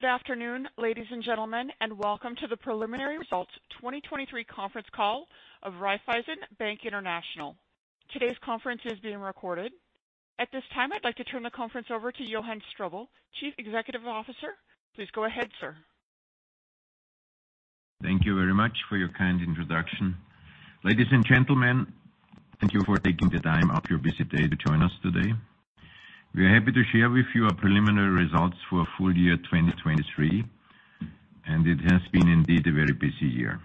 Good afternoon, ladies and gentlemen, and welcome to the preliminary results 2023 conference call of Raiffeisen Bank International. Today's conference is being recorded. At this time, I'd like to turn the conference over to Johann Strobl, Chief Executive Officer. Please go ahead, sir. Thank you very much for your kind introduction. Ladies and gentlemen, thank you for taking the time out of your busy day to join us today. We are happy to share with you our preliminary results for full year 2023, and it has been indeed a very busy year.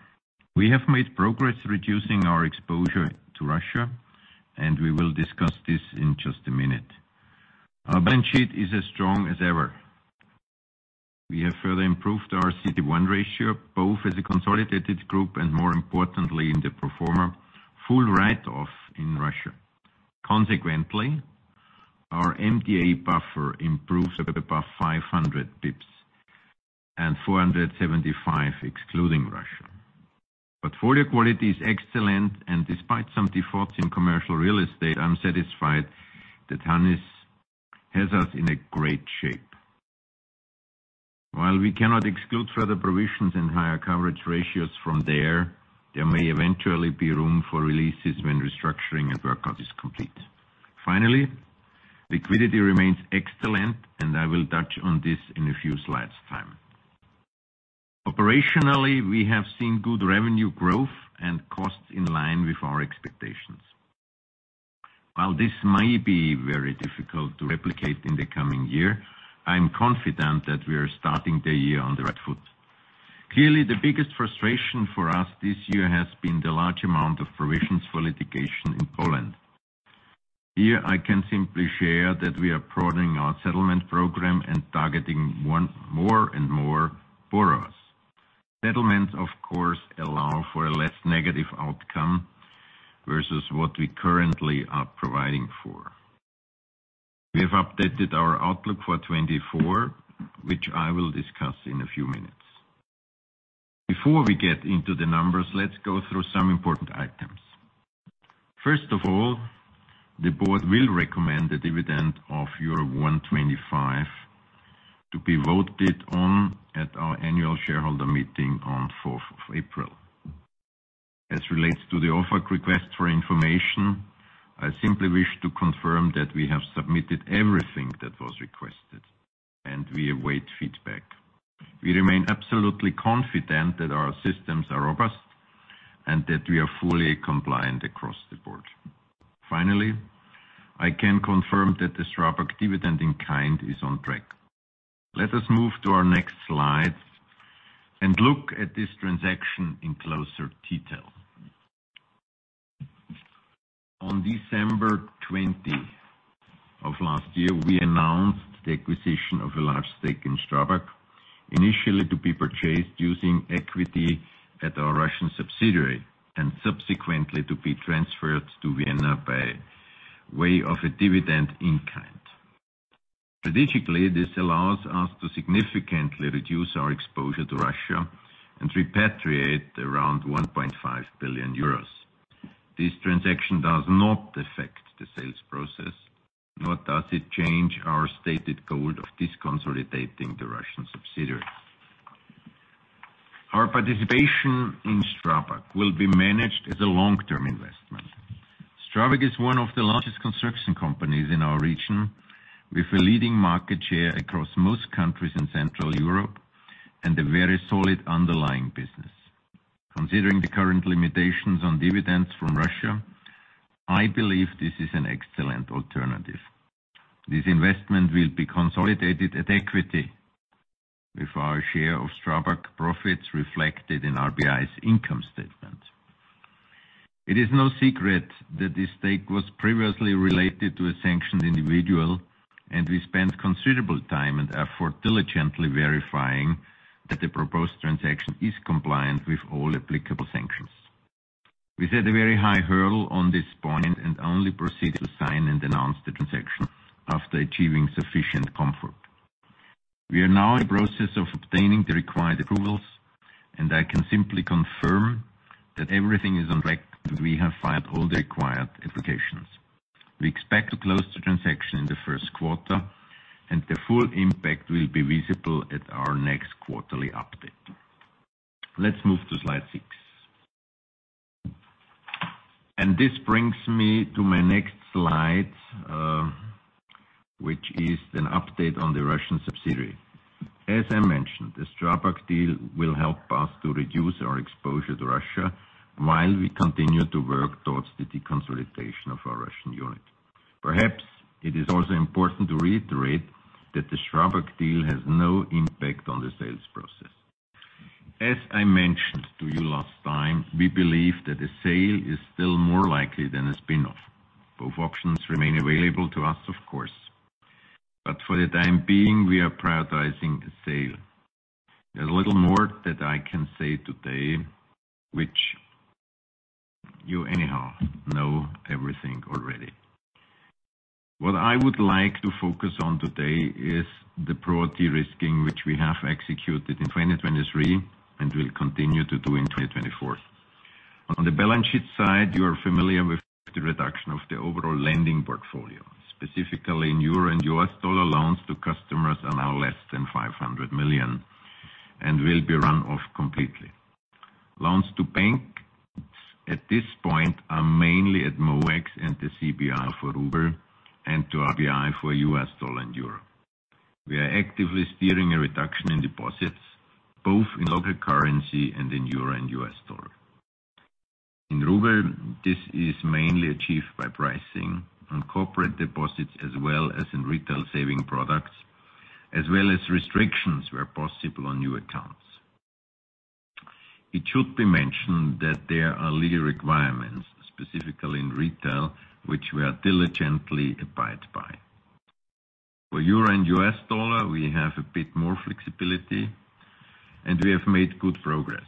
We have made progress reducing our exposure to Russia, and we will discuss this in just a minute. Our balance sheet is as strong as ever. We have further improved our CET1 ratio, both as a consolidated group and, more importantly, in the pro forma, full write-off in Russia. Consequently, our MDA buffer improves above 500 basis points and 475, excluding Russia. Portfolio quality is excellent, and despite some defaults in commercial real estate, I'm satisfied that Hannes has us in a great shape. While we cannot exclude further provisions and higher coverage ratios from there, there may eventually be room for releases when restructuring and workout is complete. Finally, liquidity remains excellent, and I will touch on this in a few slides' time. Operationally, we have seen good revenue growth and costs in line with our expectations. While this may be very difficult to replicate in the coming year, I'm confident that we are starting the year on the right foot. Clearly, the biggest frustration for us this year has been the large amount of provisions for litigation in Poland. Here, I can simply share that we are broadening our settlement program and targeting one more and more borrowers. Settlements, of course, allow for a less negative outcome versus what we currently are providing for. We have updated our outlook for 2024, which I will discuss in a few minutes. Before we get into the numbers, let's go through some important items. First of all, the board will recommend a dividend of euro 1.25 to be voted on at our annual shareholder meeting on April 4. As relates to the OFAC request for information, I simply wish to confirm that we have submitted everything that was requested, and we await feedback. We remain absolutely confident that our systems are robust and that we are fully compliant across the board. Finally, I can confirm that the STRABAG dividend in kind is on track. Let us move to our next slide and look at this transaction in closer detail. On December 20 of last year, we announced the acquisition of a large stake in STRABAG, initially to be purchased using equity at our Russian subsidiary and subsequently to be transferred to Vienna by way of a dividend in kind. Strategically, this allows us to significantly reduce our exposure to Russia and repatriate around 1.5 billion euros. This transaction does not affect the sales process, nor does it change our stated goal of disconsolidating the Russian subsidiary. Our participation in STRABAG will be managed as a long-term investment. STRABAG is one of the largest construction companies in our region, with a leading market share across most countries in Central Europe and a very solid underlying business. Considering the current limitations on dividends from Russia, I believe this is an excellent alternative. This investment will be consolidated at equity with our share of STRABAG profits reflected in RBI's income statement. It is no secret that this stake was previously related to a sanctioned individual, and we spent considerable time and effort diligently verifying that the proposed transaction is compliant with all applicable sanctions. We set a very high hurdle on this point and only proceeded to sign and announce the transaction after achieving sufficient comfort. We are now in the process of obtaining the required approvals, and I can simply confirm that everything is on track, and we have filed all the required applications. We expect to close the transaction in the first quarter, and the full impact will be visible at our next quarterly update. Let's move to slide six. This brings me to my next slide, which is an update on the Russian subsidiary. As I mentioned, the Strabag deal will help us to reduce our exposure to Russia while we continue to work towards the deconsolidation of our Russian unit. Perhaps it is also important to reiterate that the Strabag deal has no impact on the sales process. As I mentioned to you last time, we believe that a sale is still more likely than a spin-off. Both options remain available to us, of course, but for the time being, we are prioritizing a sale. There's little more that I can say today, which you anyhow know everything already. What I would like to focus on today is the broad de-risking, which we have executed in 2023 and will continue to do in 2024. On the balance sheet side, you are familiar with the reduction of the overall lending portfolio, specifically in euro and U.S. dollar loans to customers are now less than 500 million and will be run off completely. Loans to banks, at this point, are mainly at MOEX and the CBR for ruble and to RBI for U.S. dollar and euro. We are actively steering a reduction in deposits, both in local currency and in euro and U.S. dollar. In ruble, this is mainly achieved by pricing on corporate deposits, as well as in retail saving products, as well as restrictions where possible on new accounts. It should be mentioned that there are legal requirements, specifically in retail, which we are diligently abide by. For euro and U.S. dollar, we have a bit more flexibility, and we have made good progress.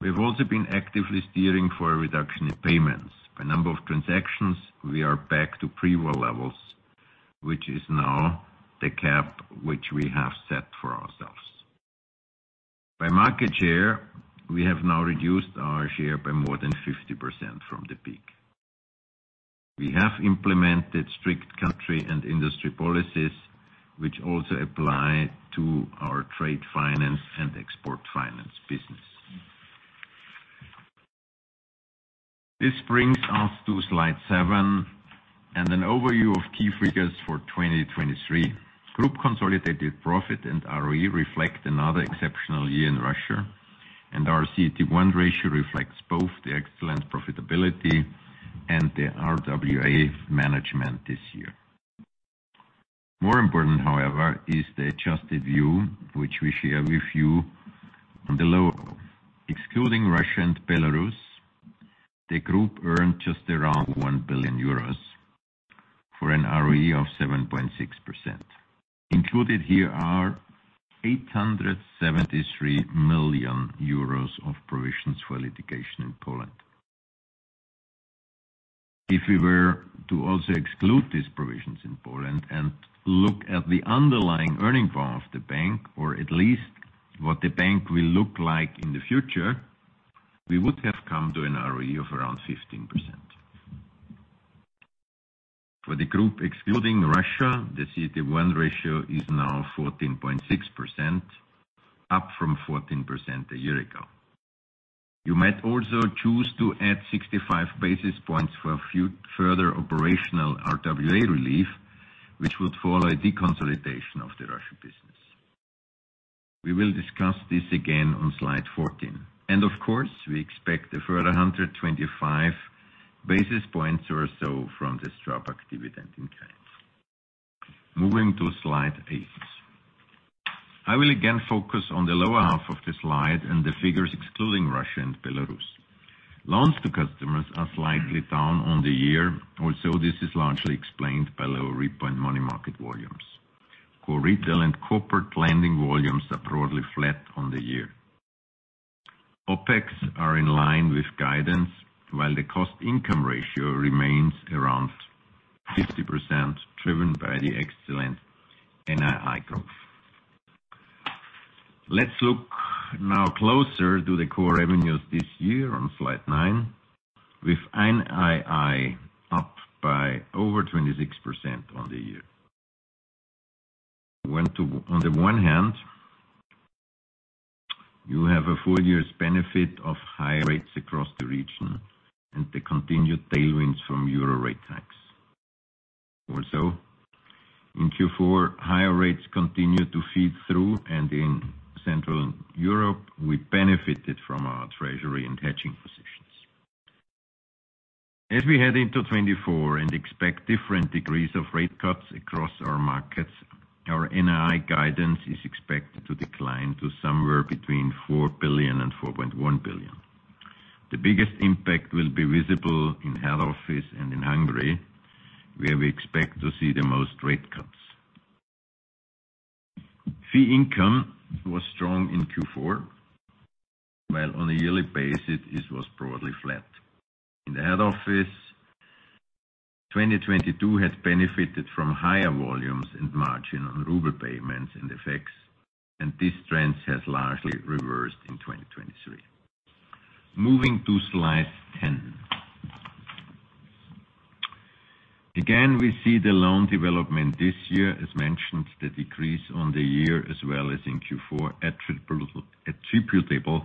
We've also been actively steering for a reduction in payments. By number of transactions, we are back to pre-war levels, which is now the cap which we have set for ourselves. By market share, we have now reduced our share by more than 50% from the peak. We have implemented strict country and industry policies, which also apply to our trade finance and export finance business. This brings us to slide 7, and an overview of key figures for 2023. Group consolidated profit and ROE reflect another exceptional year in Russia, and our CET1 ratio reflects both the excellent profitability and the RWA management this year. More important, however, is the adjusted view, which we share with you below. Excluding Russia and Belarus, the group earned just around 1 billion euros for an ROE of 7.6%. Included here are 873 million euros of provisions for litigation in Poland. If we were to also exclude these provisions in Poland and look at the underlying earning power of the bank, or at least what the bank will look like in the future, we would have come to an ROE of around 15%. For the group, excluding Russia, the CET1 ratio is now 14.6%, up from 14% a year ago. You might also choose to add 65 basis points for a few further operational RWA relief, which would follow a deconsolidation of the Russian business. We will discuss this again on slide 14, and of course, we expect a further 125 basis points or so from this STRABAG dividend in kind. Moving to slide 8. I will again focus on the lower half of the slide and the figures excluding Russia and Belarus. Loans to customers are slightly down on the year, also, this is largely explained by lower repo and money market volumes. Core retail and corporate lending volumes are broadly flat on the year. OpEx are in line with guidance, while the cost income ratio remains around 50%, driven by the excellent NII growth. Let's look now closer to the core revenues this year on slide 9, with NII up by over 26% on the year. On the one hand, you have a full year's benefit of higher rates across the region and the continued tailwinds from euro rate hikes. Also, in Q4, higher rates continued to feed through, and in Central Europe, we benefited from our treasury and hedging positions. As we head into 2024 and expect different degrees of rate cuts across our markets, our NII guidance is expected to decline to somewhere between 4 billion and 4.1 billion. The biggest impact will be visible in head office and in Hungary, where we expect to see the most rate cuts. Fee income was strong in Q4, while on a yearly basis, it was broadly flat. In the head office, 2022 has benefited from higher volumes and margin on ruble payments and FX, and this trend has largely reversed in 2023. Moving to slide 10. Again, we see the loan development this year, as mentioned, the decrease on the year as well as in Q4, attributable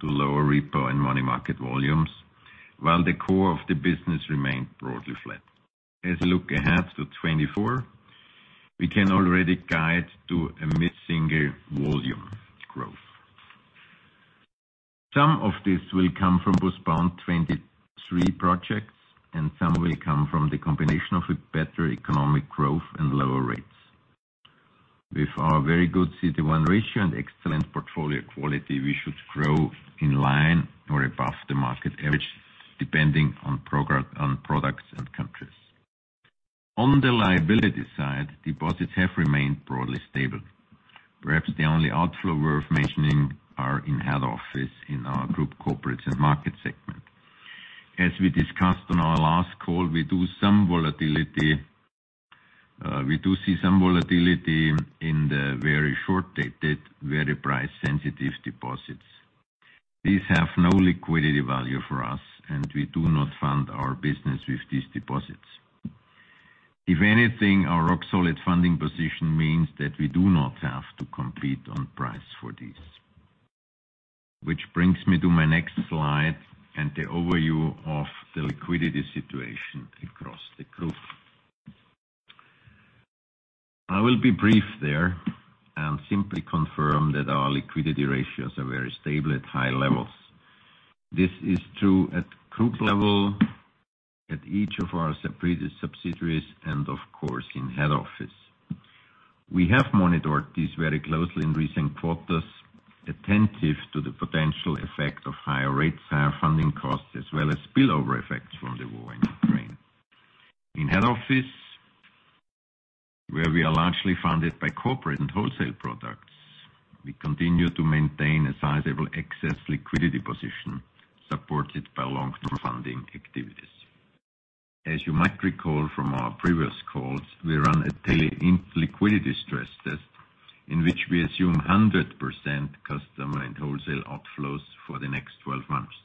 to lower repo and money market volumes, while the core of the business remained broadly flat. As a look ahead to 2024, we can already guide to a mid-single volume growth. Some of this will come from postponed 2023 projects, and some will come from the combination of a better economic growth and lower rates. With our very good CET1 ratio and excellent portfolio quality, we should grow in line or above the market average, depending on products and countries. On the liability side, deposits have remained broadly stable. Perhaps the only outflow worth mentioning are in head office in our group corporates and market segment. As we discussed on our last call, we do some volatility, we do see some volatility in the very short-dated, very price-sensitive deposits. These have no liquidity value for us, and we do not fund our business with these deposits. If anything, our rock-solid funding position means that we do not have to compete on price for these. Which brings me to my next slide and the overview of the liquidity situation across the group. I will be brief there and simply confirm that our liquidity ratios are very stable at high levels. This is true at group level, at each of our separate subsidiaries, and of course, in head office. We have monitored this very closely in recent quarters, attentive to the potential effect of higher rates, higher funding costs, as well as spillover effects from the war in Ukraine. In head office, where we are largely funded by corporate and wholesale products, we continue to maintain a sizable excess liquidity position, supported by long-term funding activities. As you might recall from our previous calls, we run a daily internal liquidity stress test, in which we assume 100% customer and wholesale outflows for the next 12 months.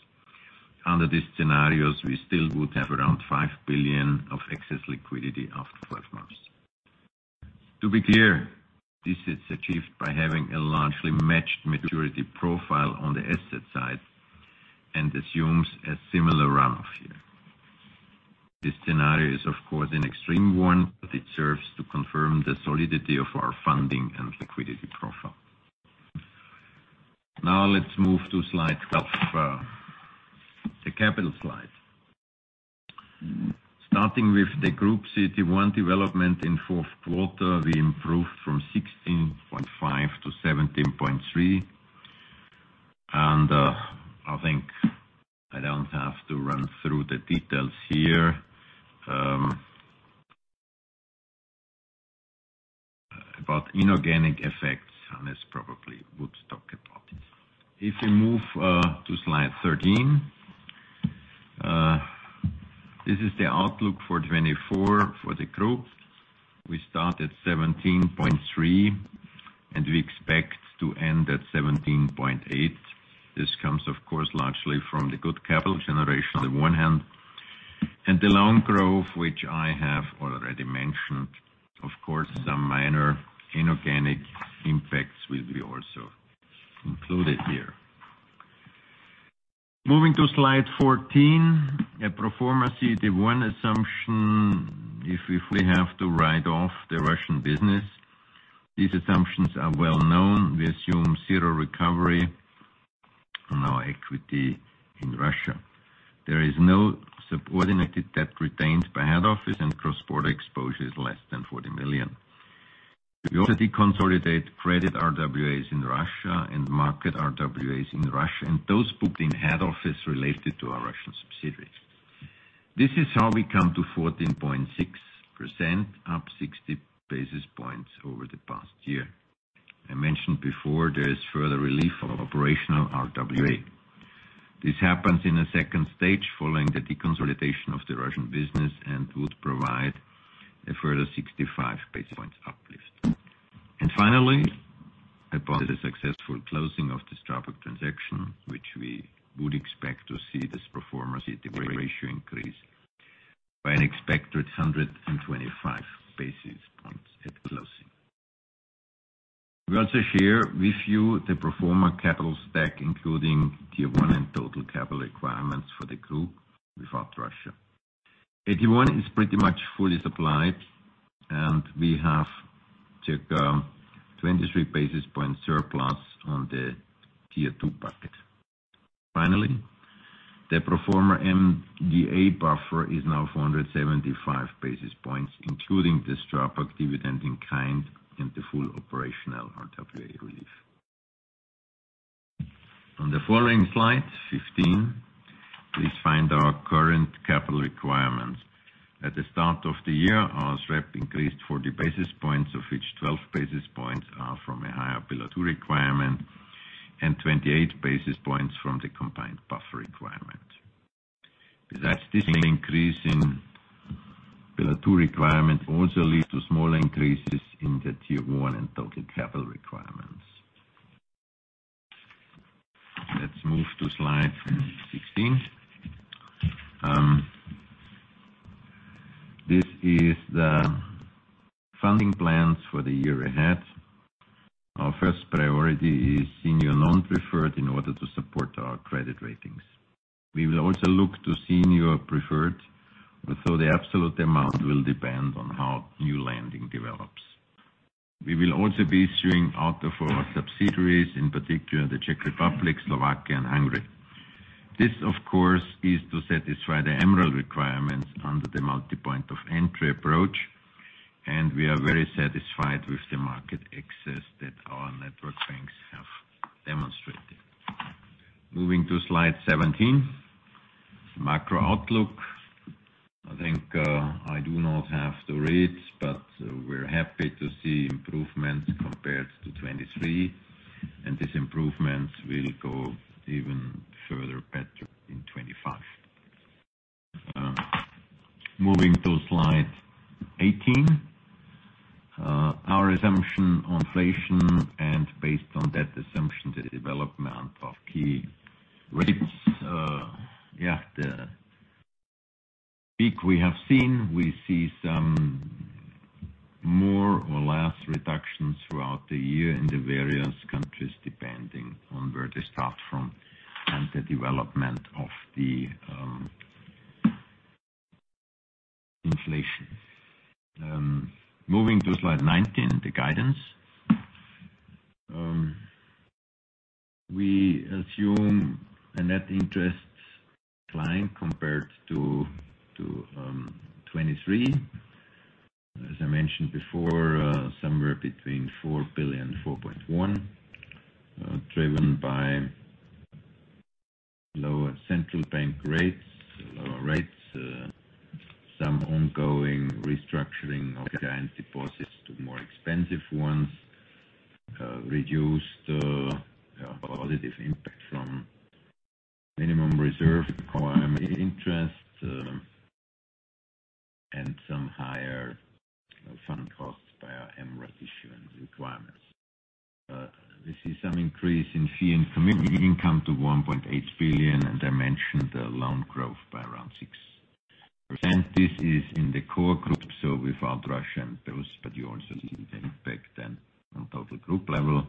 Under these scenarios, we still would have around 5 billion of excess liquidity after 12 months. To be clear, this is achieved by having a largely matched maturity profile on the asset side and assumes a similar run-off here. This scenario is, of course, an extreme one, but it serves to confirm the solidity of our funding and liquidity profile. Now let's move to slide 12, the capital slide. Starting with the Group CET1 development in fourth quarter, we improved from 16.5 to 17.3, and I think I don't have to run through the details here about inorganic effects, and as probably would talk about it. If we move to slide 13. This is the outlook for 2024 for the group. We start at 17.3, and we expect to end at 17.8. This comes, of course, largely from the good capital generation on the one hand, and the loan growth, which I have already mentioned. Of course, some minor inorganic impacts will be also included here. Moving to slide 14, a pro forma CET1 assumption. If we have to write off the Russian business, these assumptions are well known. We assume 0 recovery on our equity in Russia. There is no subordinated debt retained by head office, and cross-border exposure is less than 40 million. We also deconsolidate credit RWAs in Russia and market RWAs in Russia, and those booked in head office related to our Russian subsidiaries. This is how we come to 14.6%, up 60 basis points over the past year. I mentioned before, there is further relief of operational RWA. This happens in a second stage, following the deconsolidation of the Russian business and would provide a further 65 basis points uplift. And finally, upon the successful closing of the STRABAG transaction, which we would expect to see this pro forma CET1 ratio increase by an expected 125 basis points at closing. We also share with you the pro forma capital stack, including Tier 1 and total capital requirements for the group without Russia. AT1 is pretty much fully supplied, and we have circa, 23 basis points surplus on the Tier 2 bucket. Finally, the pro forma MDA buffer is now 475 basis points, including the STRABAG dividend in kind and the full operational RWA relief. On the following slide 15, please find our current capital requirements. At the start of the year, our SREP increased 40 basis points, of which 12 basis points are from a higher Pillar Two requirement and 28 basis points from the combined buffer requirement. Besides this increase in Pillar Two requirement, also lead to small increases in the Tier 1 and total capital requirements. Let's move to slide 16. This is the funding plans for the year ahead. Our first priority is senior non-preferred in order to support our credit ratings. We will also look to senior preferred, although the absolute amount will depend on how new lending develops. We will also be issuing out of our subsidiaries, in particular the Czech Republic, Slovakia, and Hungary. This, of course, is to satisfy the MREL requirements under the multi-point of entry approach, and we are very satisfied with the market access that our network banks have demonstrated. Moving to slide 17, macro outlook.... I think, I do not have the rates, but we're happy to see improvements compared to 2023, and these improvements will go even further better in 2025. Moving to slide 18. Our assumption on inflation and based on that assumption, the development of key rates. Yeah, the peak we have seen, we see some more or less reductions throughout the year in the various countries, depending on where they start from and the development of the inflation. Moving to slide 19, the guidance. We assume a net interest decline compared to 2023. As I mentioned before, somewhere between 4 billion and 4.1 billion, driven by lower central bank rates, lower rates, some ongoing restructuring of client deposits to more expensive ones, reduced positive impact from minimum reserve requirement interest, and some higher funding costs by our MREL issuance requirements. We see some increase in fee and commission income to 1.8 billion, and I mentioned the loan growth by around 6%. This is in the core group, so without Russia and Belarus, but you also see the impact then on total group level.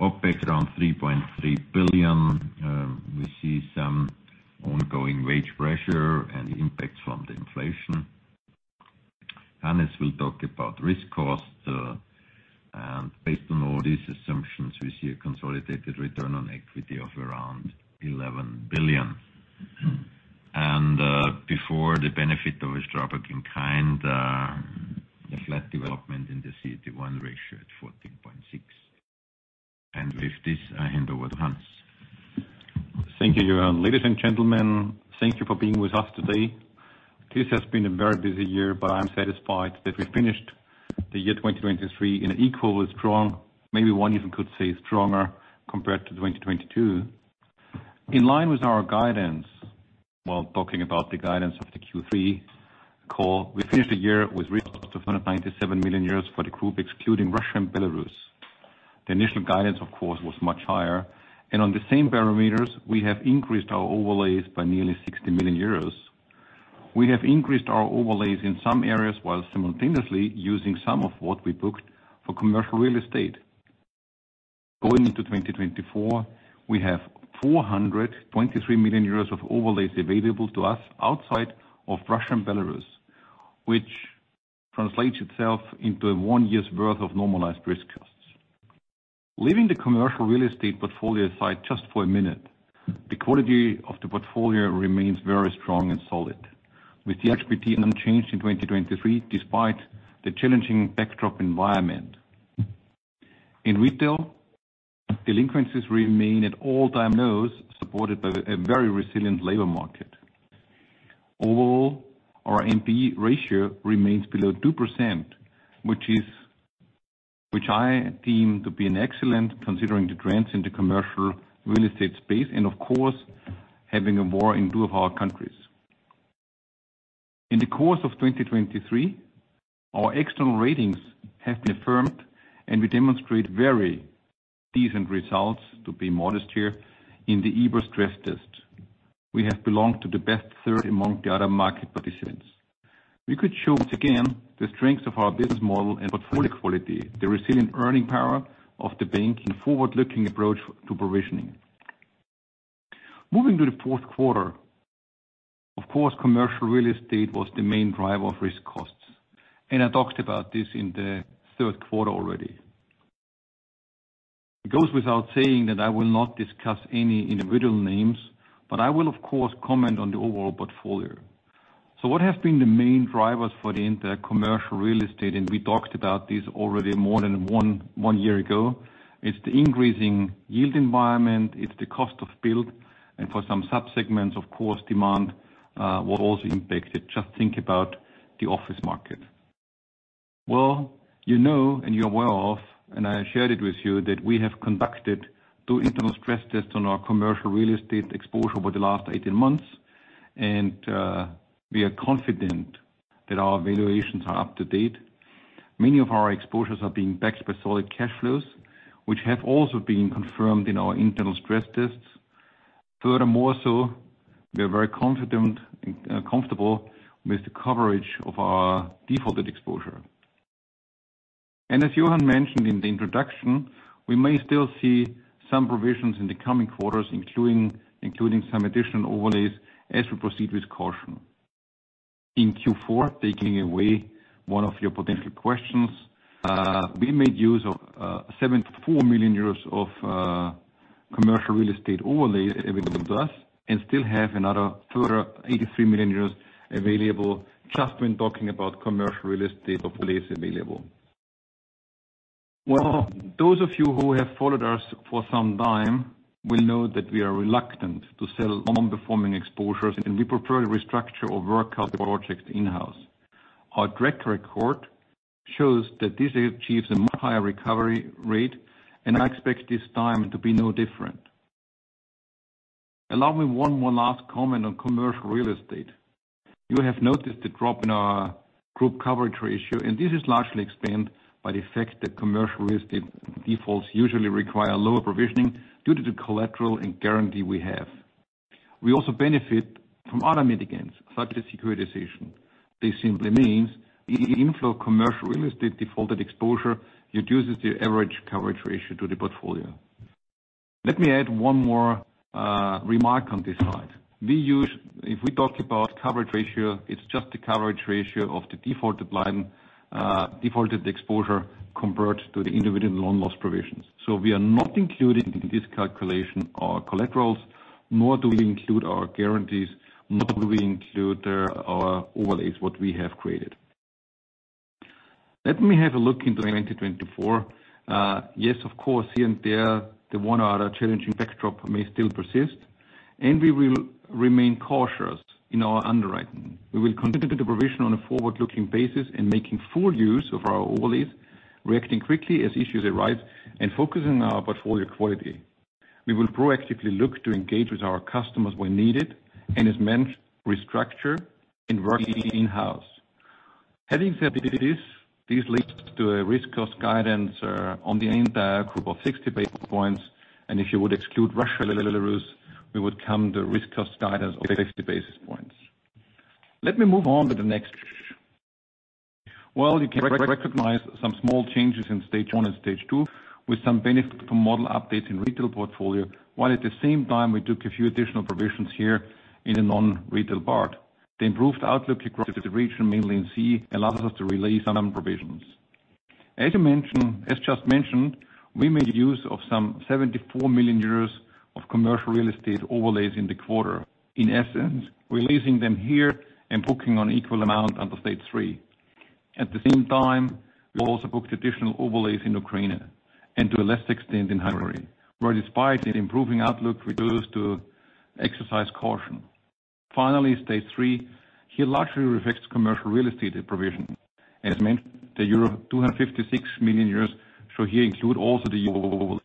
OpEx around 3.3 billion. We see some ongoing wage pressure and impacts from the inflation. Hannes will talk about risk costs, and based on all these assumptions, we see a consolidated return on equity of around 11 billion. And, before the benefit of a dividend in kind, a flat development in the CET1 ratio at 14.6. And with this, I hand over to Hannes. Thank you, Johann. Ladies and gentlemen, thank you for being with us today. This has been a very busy year, but I'm satisfied that we finished the year 2023 in an equally strong, maybe one even could say stronger, compared to 2022. In line with our guidance, while talking about the guidance of the Q3 call, we finished the year with risks of 9.7 million euros for the group, excluding Russia and Belarus. The initial guidance, of course, was much higher, and on the same parameters, we have increased our overlays by nearly 60 million euros. We have increased our overlays in some areas, while simultaneously using some of what we booked for commercial real estate. Going into 2024, we have 423 million euros of overlays available to us outside of Russia and Belarus, which translates itself into one year's worth of normalized risk costs. Leaving the commercial real estate portfolio aside just for a minute, the quality of the portfolio remains very strong and solid, with the NPE unchanged in 2023, despite the challenging backdrop environment. In retail, delinquencies remain at all-time lows, supported by a very resilient labor market. Overall, our NPE ratio remains below 2%, which I deem to be an excellent, considering the trends in the commercial real estate space, and of course, having a war in two of our countries. In the course of 2023, our external ratings have been affirmed, and we demonstrate very decent results, to be modest here, in the EBA stress test. We have belonged to the best third among the other market participants. We could show once again the strength of our business model and portfolio quality, the resilient earning power of the bank in forward-looking approach to provisioning. Moving to the fourth quarter, of course, commercial real estate was the main driver of risk costs, and I talked about this in the third quarter already. It goes without saying that I will not discuss any individual names, but I will, of course, comment on the overall portfolio. So what have been the main drivers for the entire commercial real estate? And we talked about this already more than one year ago. It's the increasing yield environment, it's the cost of build, and for some subsegments, of course, demand was also impacted. Just think about the office market. Well, you know, and you're aware of, and I shared it with you, that we have conducted 2 internal stress tests on our commercial real estate exposure over the last 18 months, and we are confident that our valuations are up to date. Many of our exposures are being backed by solid cash flows, which have also been confirmed in our internal stress tests. Furthermore, so we are very confident and comfortable with the coverage of our defaulted exposure. And as Johann mentioned in the introduction, we may still see some provisions in the coming quarters, including some additional overlays as we proceed with caution. In Q4, taking away one of your potential questions, we made use of 74 million euros of commercial real estate overlay available to us and still have another 283 million euros available, just when talking about commercial real estate overlays available. Well, those of you who have followed us for some time will know that we are reluctant to sell non-performing exposures, and we prefer to restructure or work out the projects in-house. Our track record shows that this achieves a much higher recovery rate, and I expect this time to be no different. Allow me one more last comment on commercial real estate. You have noticed a drop in our group coverage ratio, and this is largely explained by the fact that commercial real estate defaults usually require lower provisioning due to the collateral and guarantee we have. We also benefit from other mitigants, such as securitization. This simply means the inflow commercial real estate defaulted exposure reduces the average coverage ratio to the portfolio. Let me add one more, remark on this slide. If we talk about coverage ratio, it's just the coverage ratio of the defaulted line, defaulted exposure compared to the individual loan loss provisions. So we are not including in this calculation our collaterals, nor do we include our guarantees, nor do we include our overlays, what we have created. Let me have a look into 2024. Yes, of course, here and there, the one other challenging backdrop may still persist, and we will remain cautious in our underwriting. We will continue to do provision on a forward-looking basis and making full use of our overlays, reacting quickly as issues arise and focusing on our portfolio quality. We will proactively look to engage with our customers when needed, and as mentioned, restructure and work in-house. Having said this, this leads to a risk cost guidance on the entire group of 60 basis points, and if you would exclude Russia, we would come the risk cost guidance of 60 basis points. Let me move on to the next. Well, you can recognize some small changes in Stage 1 and Stage 2, with some benefit from model updates in retail portfolio, while at the same time we took a few additional provisions here in the non-retail part. The improved outlook across the region, mainly in CE, allows us to release some provisions. As you mentioned, as just mentioned, we made use of some 74 million euros of commercial real estate overlays in the quarter. In essence, releasing them here and booking on equal amount under Stage 3. At the same time, we also booked additional overlays in Ukraine and to a lesser extent, in Hungary, where despite the improving outlook, we choose to exercise caution. Finally, Stage 3, here largely reflects commercial real estate provision. As mentioned, the 256 million euros, so here include also the.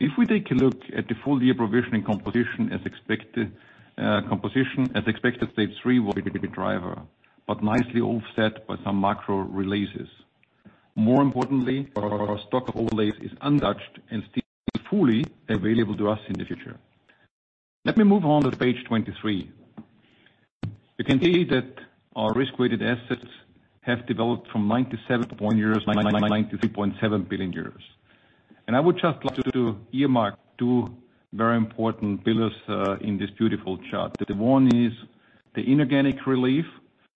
If we take a look at the full year provisioning composition as expected, composition as expected, Stage 3 will be the driver, but nicely offset by some macro releases. More importantly, our stock overlays is untouched and still fully available to us in the future. Let me move on to page 23. You can see that our risk-weighted assets have developed from 97 billion euros to 93.7 billion euros. And I would just like to earmark two very important pillars in this beautiful chart. The one is the inorganic relief.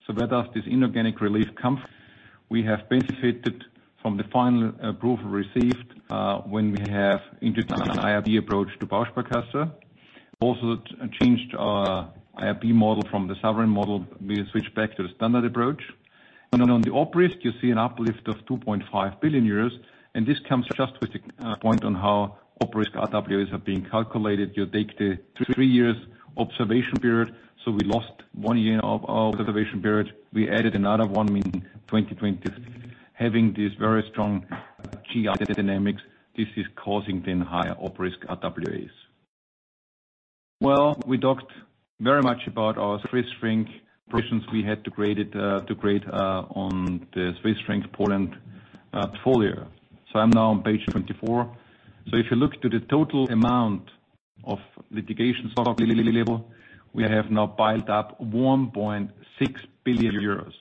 So where does this inorganic relief come from? We have benefited from the final approval received, when we have introduced IRB approach to Bausparkasse. Also changed our IRB model from the sovereign model. We switched back to the standard approach. And on the op risk, you see an uplift of 2.5 billion euros, and this comes just with the point on how op risk RWAs are being calculated. You take the three years observation period, so we lost one year of our observation period. We added another one in 2020, having this very strong GI dynamics, this is causing then higher op risk RWAs. Well, we talked very much about our Swiss franc provisions we had to grade it, to grade, on the Swiss franc Poland portfolio. So I'm now on page 24. So if you look to the total amount of litigation stock level, we have now piled up 1.6 billion euros.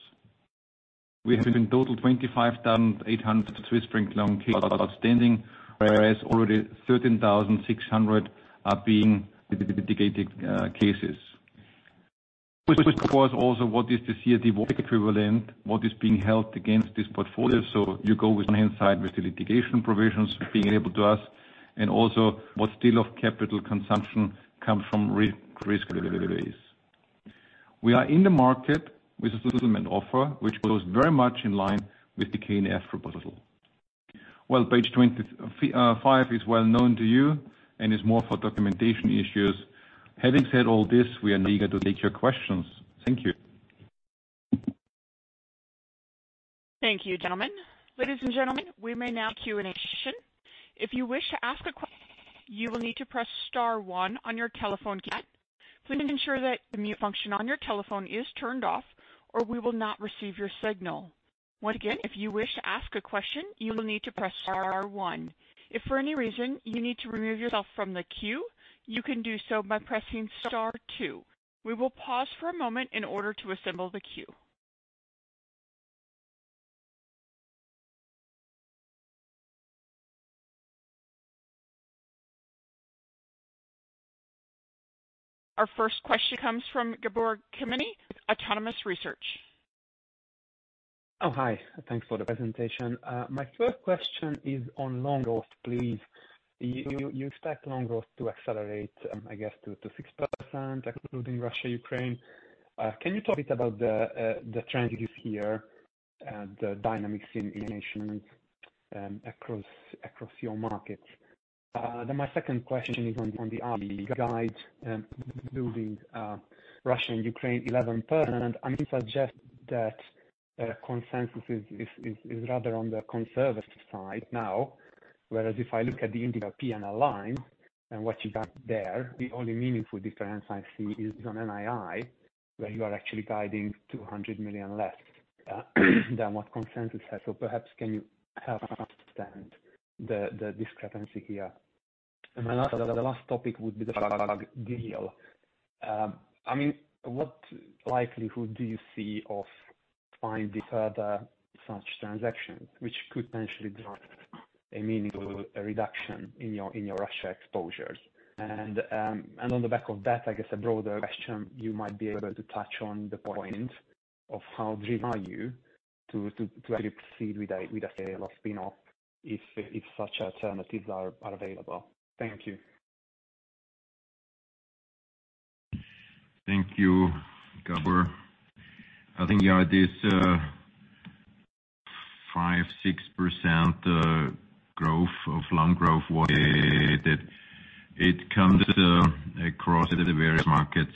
We have in total 25,800 Swiss franc loan outstanding, whereas already 13,600 are being litigated cases. Which of course, also what is the CET1 equivalent, what is being held against this portfolio? So you go with one hand side, with the litigation provisions being able to us and also what still of capital consumption comes from risk weights. We are in the market with a settlement offer, which goes very much in line with the KNF proposal. Well, page 25 is well known to you and is more for documentation issues. Having said all this, we are eager to take your questions. Thank you. Thank you, gentlemen. Ladies and gentlemen, we may now Q&A session. If you wish to ask a question, you will need to press star one on your telephone keypad. Please ensure that the mute function on your telephone is turned off, or we will not receive your signal. Once again, if you wish to ask a question, you will need to press star one. If for any reason you need to remove yourself from the queue, you can do so by pressing star two. We will pause for a moment in order to assemble the queue. Our first question comes from Gabor Kemeny, Autonomous Research. Oh, hi, thanks for the presentation. My first question is on loan growth, please. You, you expect loan growth to accelerate, I guess to 6%, including Russia, Ukraine? Can you talk a bit about the trend you see here, the dynamics in nations, across, across your markets? Then my second question is on the guide, including Russia and Ukraine, 11%. I mean, suggest that consensus is, is, is rather on the conservative side now, whereas if I look at the individual PNL line and what you got there, the only meaningful difference I see is on NII, where you are actually guiding 200 million less than what consensus has. So perhaps can you help understand the discrepancy here? And the last topic would be the deal. I mean, what likelihood do you see of finding further such transactions, which could potentially drive a meaningful reduction in your Russia exposures? And on the back of that, I guess, a broader question you might be able to touch on the point of how driven are you to actually proceed with a sale or spin-off if such alternatives are available? Thank you. Thank you, Gabor. I think, yeah, this 5%-6% growth of loan growth, what it comes across the various markets.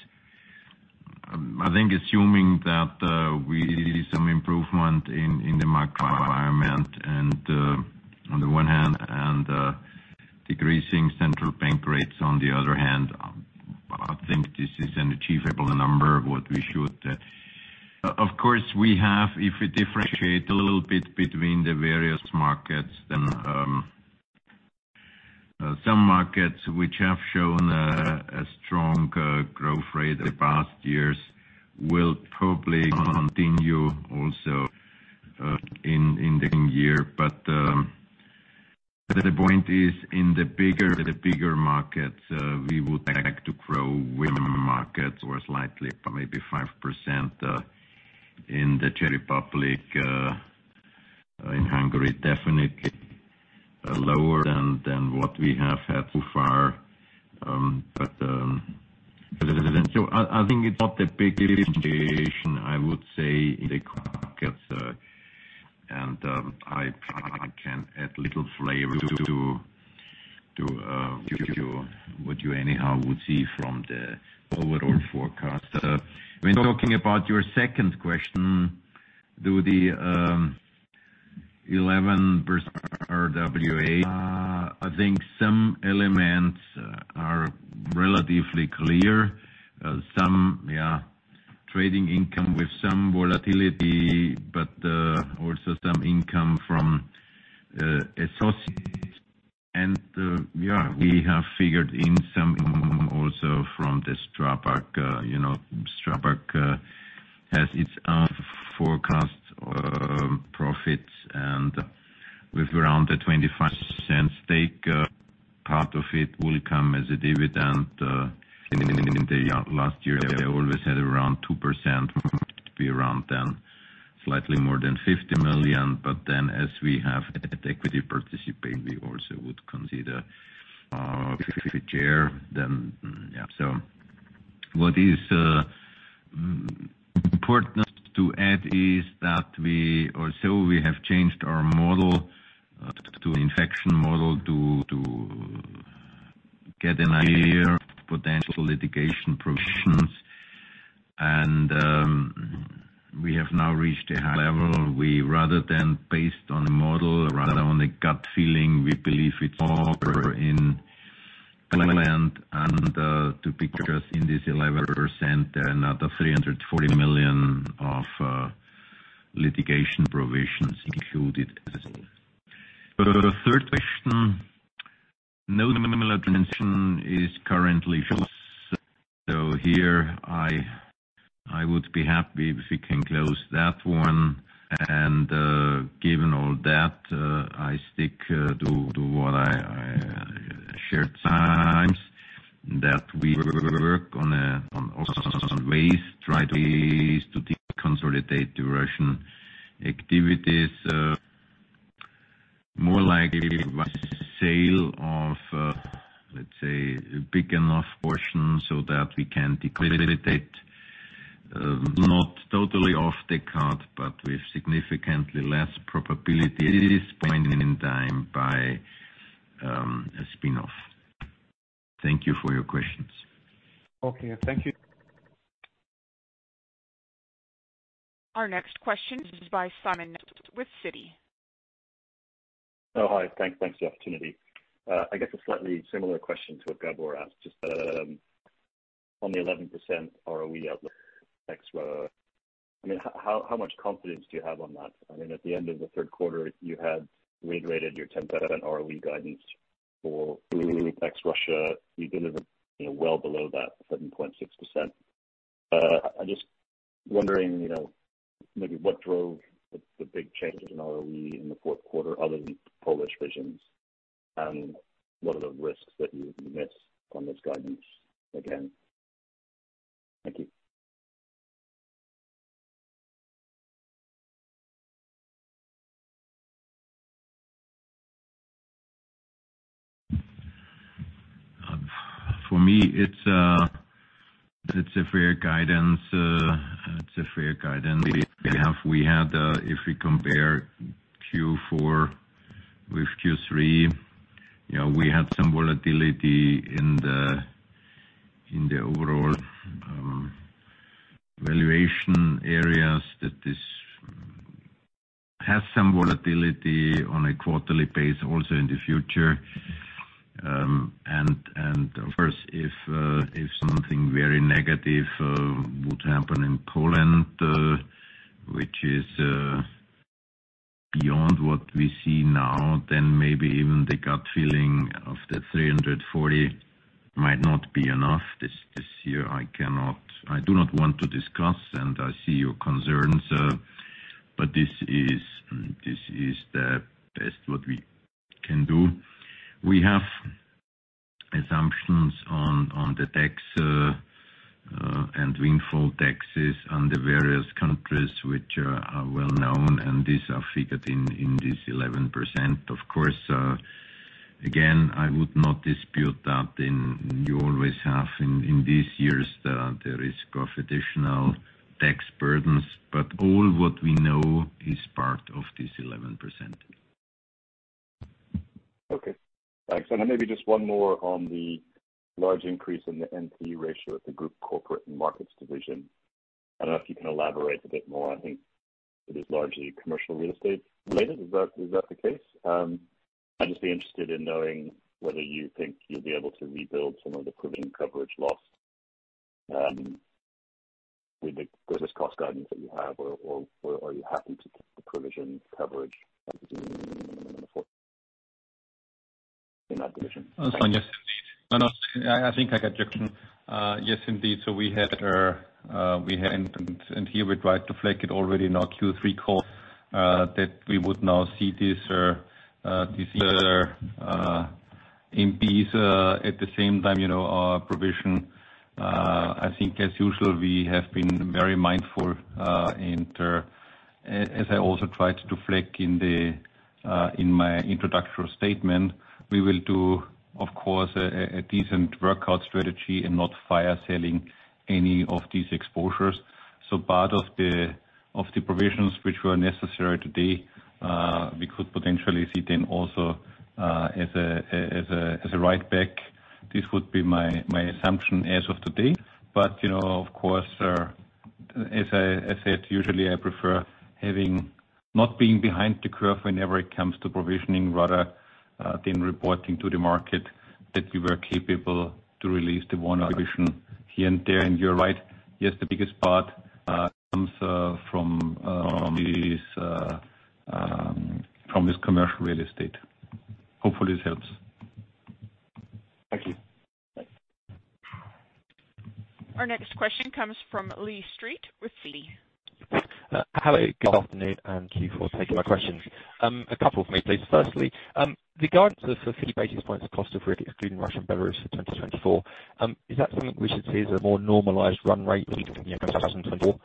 I think assuming that we some improvement in the market environment and on the one hand, and decreasing central bank rates on the other hand, I think this is an achievable number of what we should. Of course, we have, if we differentiate a little bit between the various markets, then some markets which have shown a strong growth rate in the past years will probably continue also in the coming year. But the point is, in the bigger markets, we would like to grow with markets or slightly, maybe 5%, in the Czech Republic, in Hungary, definitely lower than what we have had so far. I think it's not a big differentiation, I would say, in the markets, and I can add little flavor to what you anyhow would see from the overall forecast. When talking about your second question, to the 11% RWA, I think some elements are relatively clear. Some, yeah, trading income with some volatility, but also some income from associates. And, yeah, we have figured in some income also from the STRABAG, you know, STRABAG has its own forecast profits, and with around the 25% stake, part of it will come as a dividend, in the last year, they always had around 2%, to be around then, slightly more than 50 million. But then, as we have equity participating, we also would consider fair share then. Yeah, so what is important to add is that we also we have changed our model to infection model to get an idea of potential litigation provisions, and we have now reached a high level. We rather than based on a model, rather on a gut feeling, we believe it's over provisioned and to be, because in this 11%, another 340 million of litigation provisions included. So the third question, no material transition is currently shown. So here, I would be happy if we can close that one. Given all that, I stick to what I shared times, that we work on ways try to consolidate the Russian activities, more like sale of, let's say, big enough portion so that we can consolidate, not totally off the card, but with significantly less probability at this point in time by a spin-off. Thank you for your questions. Okay, thank you. Our next question is by Simon Nellis with Citi. Oh, hi. Thanks, thanks for the opportunity. I guess a slightly similar question to what Gabor asked, just on the 11% ROE out there, ex-Russia. I mean, how, how much confidence do you have on that? I mean, at the end of the third quarter, you had reiterated your 10% ROE guidance for ex-Russia. You delivered, you know, well below that, 7.6%. I'm just wondering, you know, maybe what drove the big changes in ROE in the fourth quarter, other than Polish provisions, and what are the risks that you miss on this guidance again? Thank you. ... For me, it's a fair guidance, it's a fair guidance. We had, if we compare Q4 with Q3, you know, we had some volatility in the overall valuation areas that this has some volatility on a quarterly basis, also in the future. And of course, if something very negative would happen in Poland, which is beyond what we see now, then maybe even the gut feeling of 340 might not be enough. This year I cannot—I do not want to discuss, and I see your concerns, but this is the best what we can do. We have assumptions on the tax and windfall taxes on the various countries which are well known, and these are figured in this 11%. Of course, again, I would not dispute that you always have in these years the risk of additional tax burdens, but all what we know is part of this 11%. Okay, thanks. And then maybe just one more on the large increase in the NPE ratio at the group corporate and markets division. I don't know if you can elaborate a bit more. I think it is largely commercial real estate related. Is that, is that the case? I'd just be interested in knowing whether you think you'll be able to rebuild some of the provision coverage loss with the business cost guidance that you have, or, or, or you happen to take the provision coverage in that division? Yes. No, no, I think I got your question. Yes, indeed. So we had, we had, and here we tried to flag it already in our Q3 call, that we would now see this, this, in piece, at the same time, you know, provision. I think as usual, we have been very mindful, and as I also tried to flag in the, in my introductory statement, we will do, of course, a decent workout strategy and not fire-selling any of these exposures. So part of the, of the provisions which were necessary today, we could potentially see them also, as a write back. This would be my assumption as of today. But, you know, of course, as I said, usually I prefer having not being behind the curve whenever it comes to provisioning, rather than reporting to the market that we were capable to release the one provision here and there. And you're right, yes, the biggest part comes from this commercial real estate. Hopefully, this helps. Thank you. Our next question comes from Lee Street with Citi. Hello, good afternoon, and thank you for taking my questions. A couple for me, please. Firstly, the guidance for 50 basis points of cost of risk, including Russia and Belarus for 2024, is that something we should see as a more normalized run rate than, you know, 2024?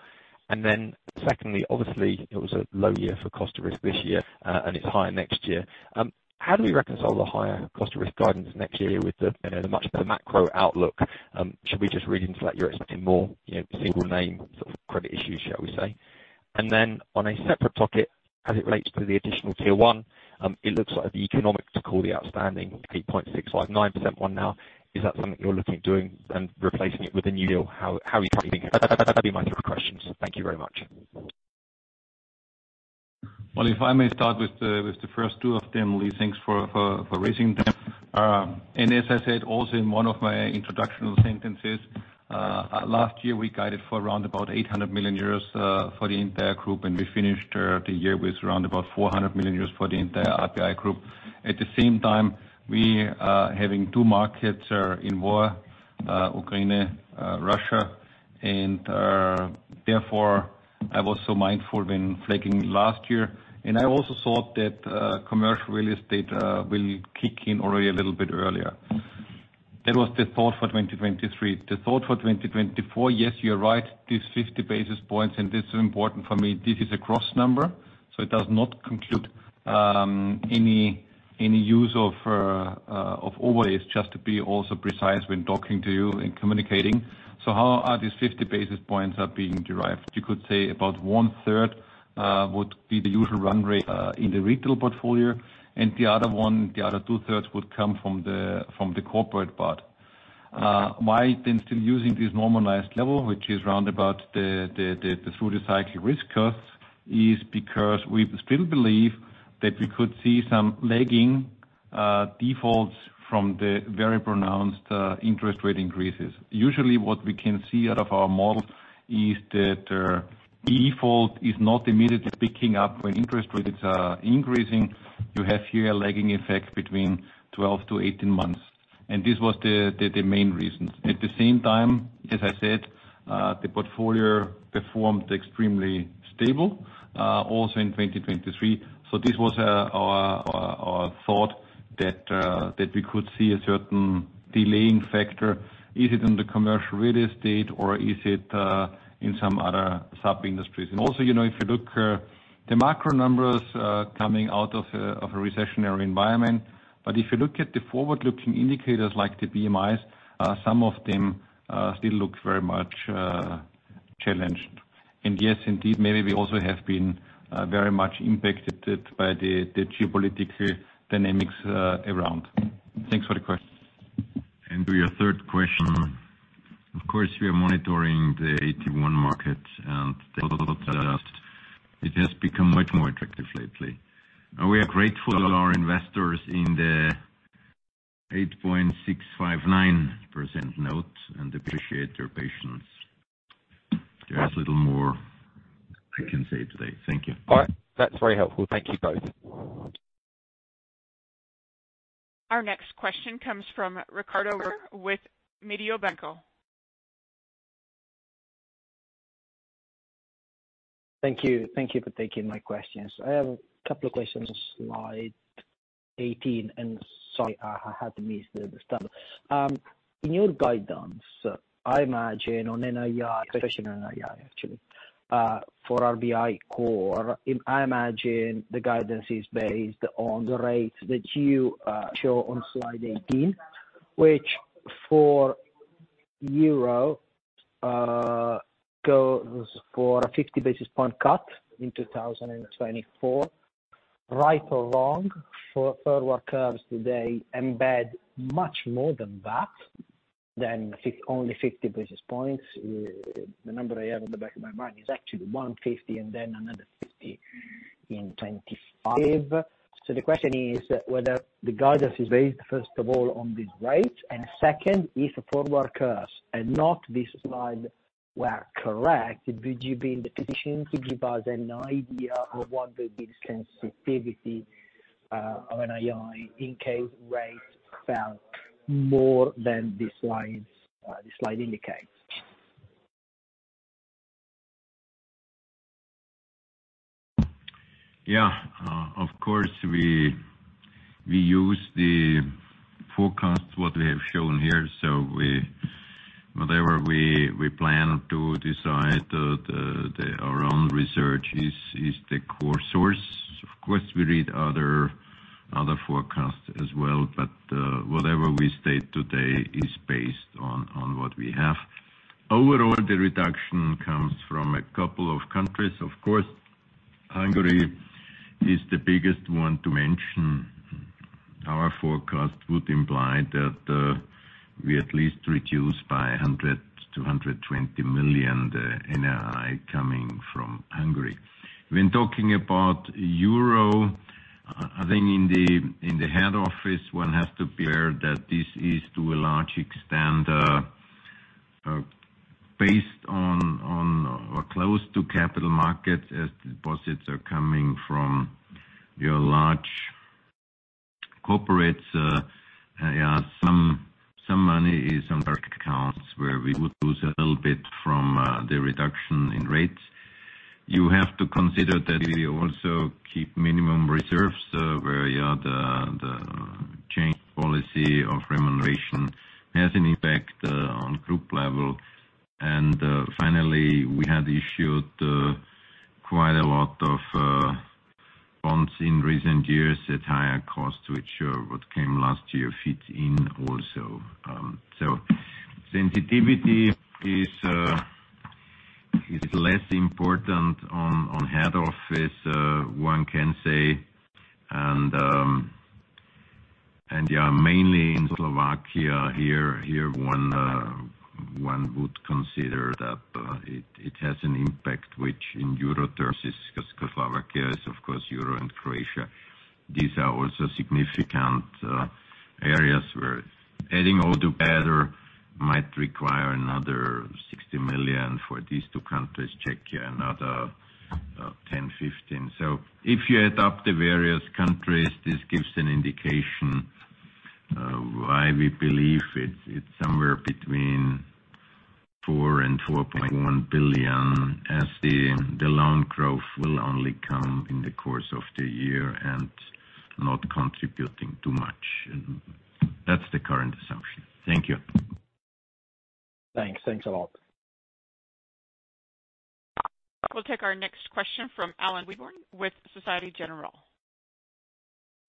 And then secondly, obviously, it was a low year for cost of risk this year, and it's higher next year. How do we reconcile the higher cost of risk guidance next year with the, you know, the much better macro outlook? Should we just read into that you're expecting more, you know, single name, sort of, credit issues, shall we say? And then, on a separate pocket, as it relates to the Additional Tier 1, it looks like the economic to call the outstanding 8.659% one now. Is that something you're looking at doing and replacing it with a new deal? How, how are you thinking? That'd be my two questions. Thank you very much. Well, if I may start with the first two of them, Lee, thanks for raising them. And as I said, also in one of my introduction sentences, last year, we guided for around about 800 million euros for the entire group, and we finished the year with around about 400 million euros for the entire RBI group. At the same time, we having two markets in war, Ukraine, Russia, and therefore, I was so mindful when flagging last year. And I also thought that commercial real estate will kick in already a little bit earlier. That was the thought for 2023. The thought for 2024, yes, you're right, this 50 basis points, and this is important for me. This is a cross number, so it does not conclude any use of overlays, just to be also precise when talking to you and communicating. So how are these 50 basis points are being derived? You could say about one third would be the usual run rate in the retail portfolio, and the other one, the other two thirds would come from the corporate part. Why then still using this normalized level, which is round about the through the cycle risk cost, is because we still believe that we could see some lagging defaults from the very pronounced interest rate increases. Usually, what we can see out of our model is that default is not immediately picking up when interest rates are increasing. You have here a lagging effect between 12-18 months, and this was the main reason. At the same time, as I said, the portfolio performed extremely stable also in 2023. So this was our thought that we could see a certain delaying factor. Is it in the commercial real estate, or is it in some other sub-industries? And also, you know, if you look the macro numbers coming out of a recessionary environment, but if you look at the forward-looking indicators, like the PMIs, some of them still look very much challenged. And yes, indeed, maybe we also have been very much impacted by the geopolitical dynamics around. Thanks for the question. To your third question, of course, we are monitoring the AT1 market, and it has become much more attractive lately. We are grateful to our investors in the 8.659% note and appreciate their patience. There's little more I can say today. Thank you. All right. That's very helpful. Thank you, both. Our next question comes from Riccardo Rovere with Mediobanca. Thank you. Thank you for taking my questions. I have a couple of questions. Slide 18, and sorry, I had to miss the start. In your guidance, I imagine on NII, especially NII, actually, for RBI Core, I imagine the guidance is based on the rates that you show on slide 18, which for euro goes for a 50 basis point cut in 2024. Right or wrong, for forward curves today embed much more than that, than 50, only 50 basis points. The number I have in the back of my mind is actually 150 and then another 50 in 2025. The question is whether the guidance is based, first of all, on this rate, and second, if forward curves and not this slide were correct, would you be in the position to give us an idea of what the sensitivity of NII in case rates fell more than the slides, the slide indicates? Yeah. Of course, we use the forecast what we have shown here. So whatever we plan to decide, our own research is the core source. Of course, we read other forecasts as well, but whatever we state today is based on what we have. Overall, the reduction comes from a couple of countries. Of course, Hungary is the biggest one to mention. Our forecast would imply that we at least reduce by 100 million-120 million NII coming from Hungary. When talking about euro, I think in the head office, one has to be clear that this is to a large extent based on or close to capital markets, as deposits are coming from your large corporates. Yeah, some money is on accounts where we would lose a little bit from the reduction in rates. You have to consider that we also keep minimum reserves, where the change policy of remuneration has an impact on group level. And finally, we had issued quite a lot of bonds in recent years at higher cost, which what came last year fit in also. So sensitivity is less important on head office, one can say, and. And yeah, mainly in Slovakia, here one would consider that it has an impact, which in euro terms is, because Slovakia is, of course, euro and Croatia. These are also significant areas where adding all together might require another 60 million for these two countries, Czechia, another 10-15 million. If you add up the various countries, this gives an indication why we believe it's, it's somewhere between 4 billion and 4.1 billion, as the loan growth will only come in the course of the year and not contributing too much. That's the current assumption. Thank you. Thanks. Thanks a lot. We'll take our next question from Alan Webborn, with Société Générale.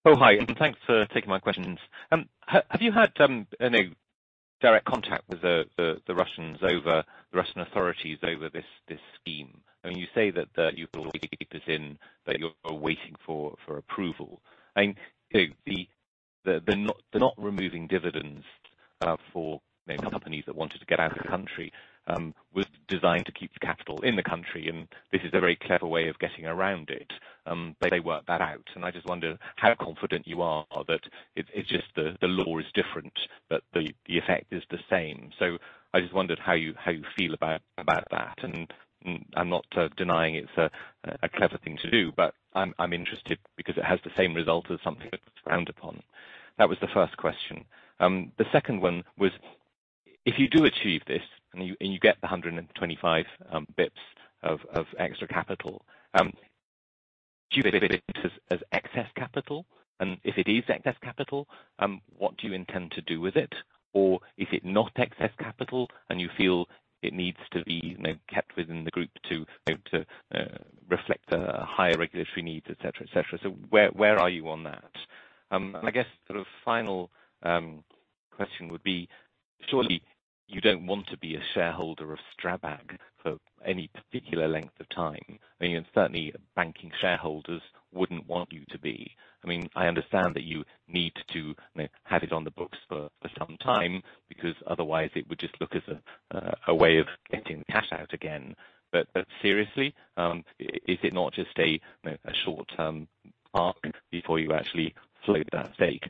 Oh, hi, and thanks for taking my questions. Have you had any direct contact with the Russians over the Russian authorities over this scheme? I mean, you say that you've already this in, that you're waiting for approval. I think the not removing dividends for many companies that wanted to get out of the country was designed to keep the capital in the country, and this is a very clever way of getting around it. They work that out, and I just wonder how confident you are that it's just the law is different, but the effect is the same. So I just wondered how you feel about that. I'm not denying it's a clever thing to do, but I'm interested because it has the same result as something that was frowned upon. That was the first question. The second one was: If you do achieve this, and you get the 125 basis points of extra capital, do you see it as excess capital? And if it is excess capital, what do you intend to do with it? Or is it not excess capital, and you feel it needs to be, you know, kept within the group to reflect the higher regulatory needs, et cetera, et cetera. So where are you on that? I guess sort of final question would be: Surely, you don't want to be a shareholder of Strabag for any particular length of time? I mean, certainly, banking shareholders wouldn't want you to be. I mean, I understand that you need to, you know, have it on the books for, for some time, because otherwise it would just look as a way of getting cash out again. But, but seriously, is it not just a, you know, a short-term arc before you actually float that stake?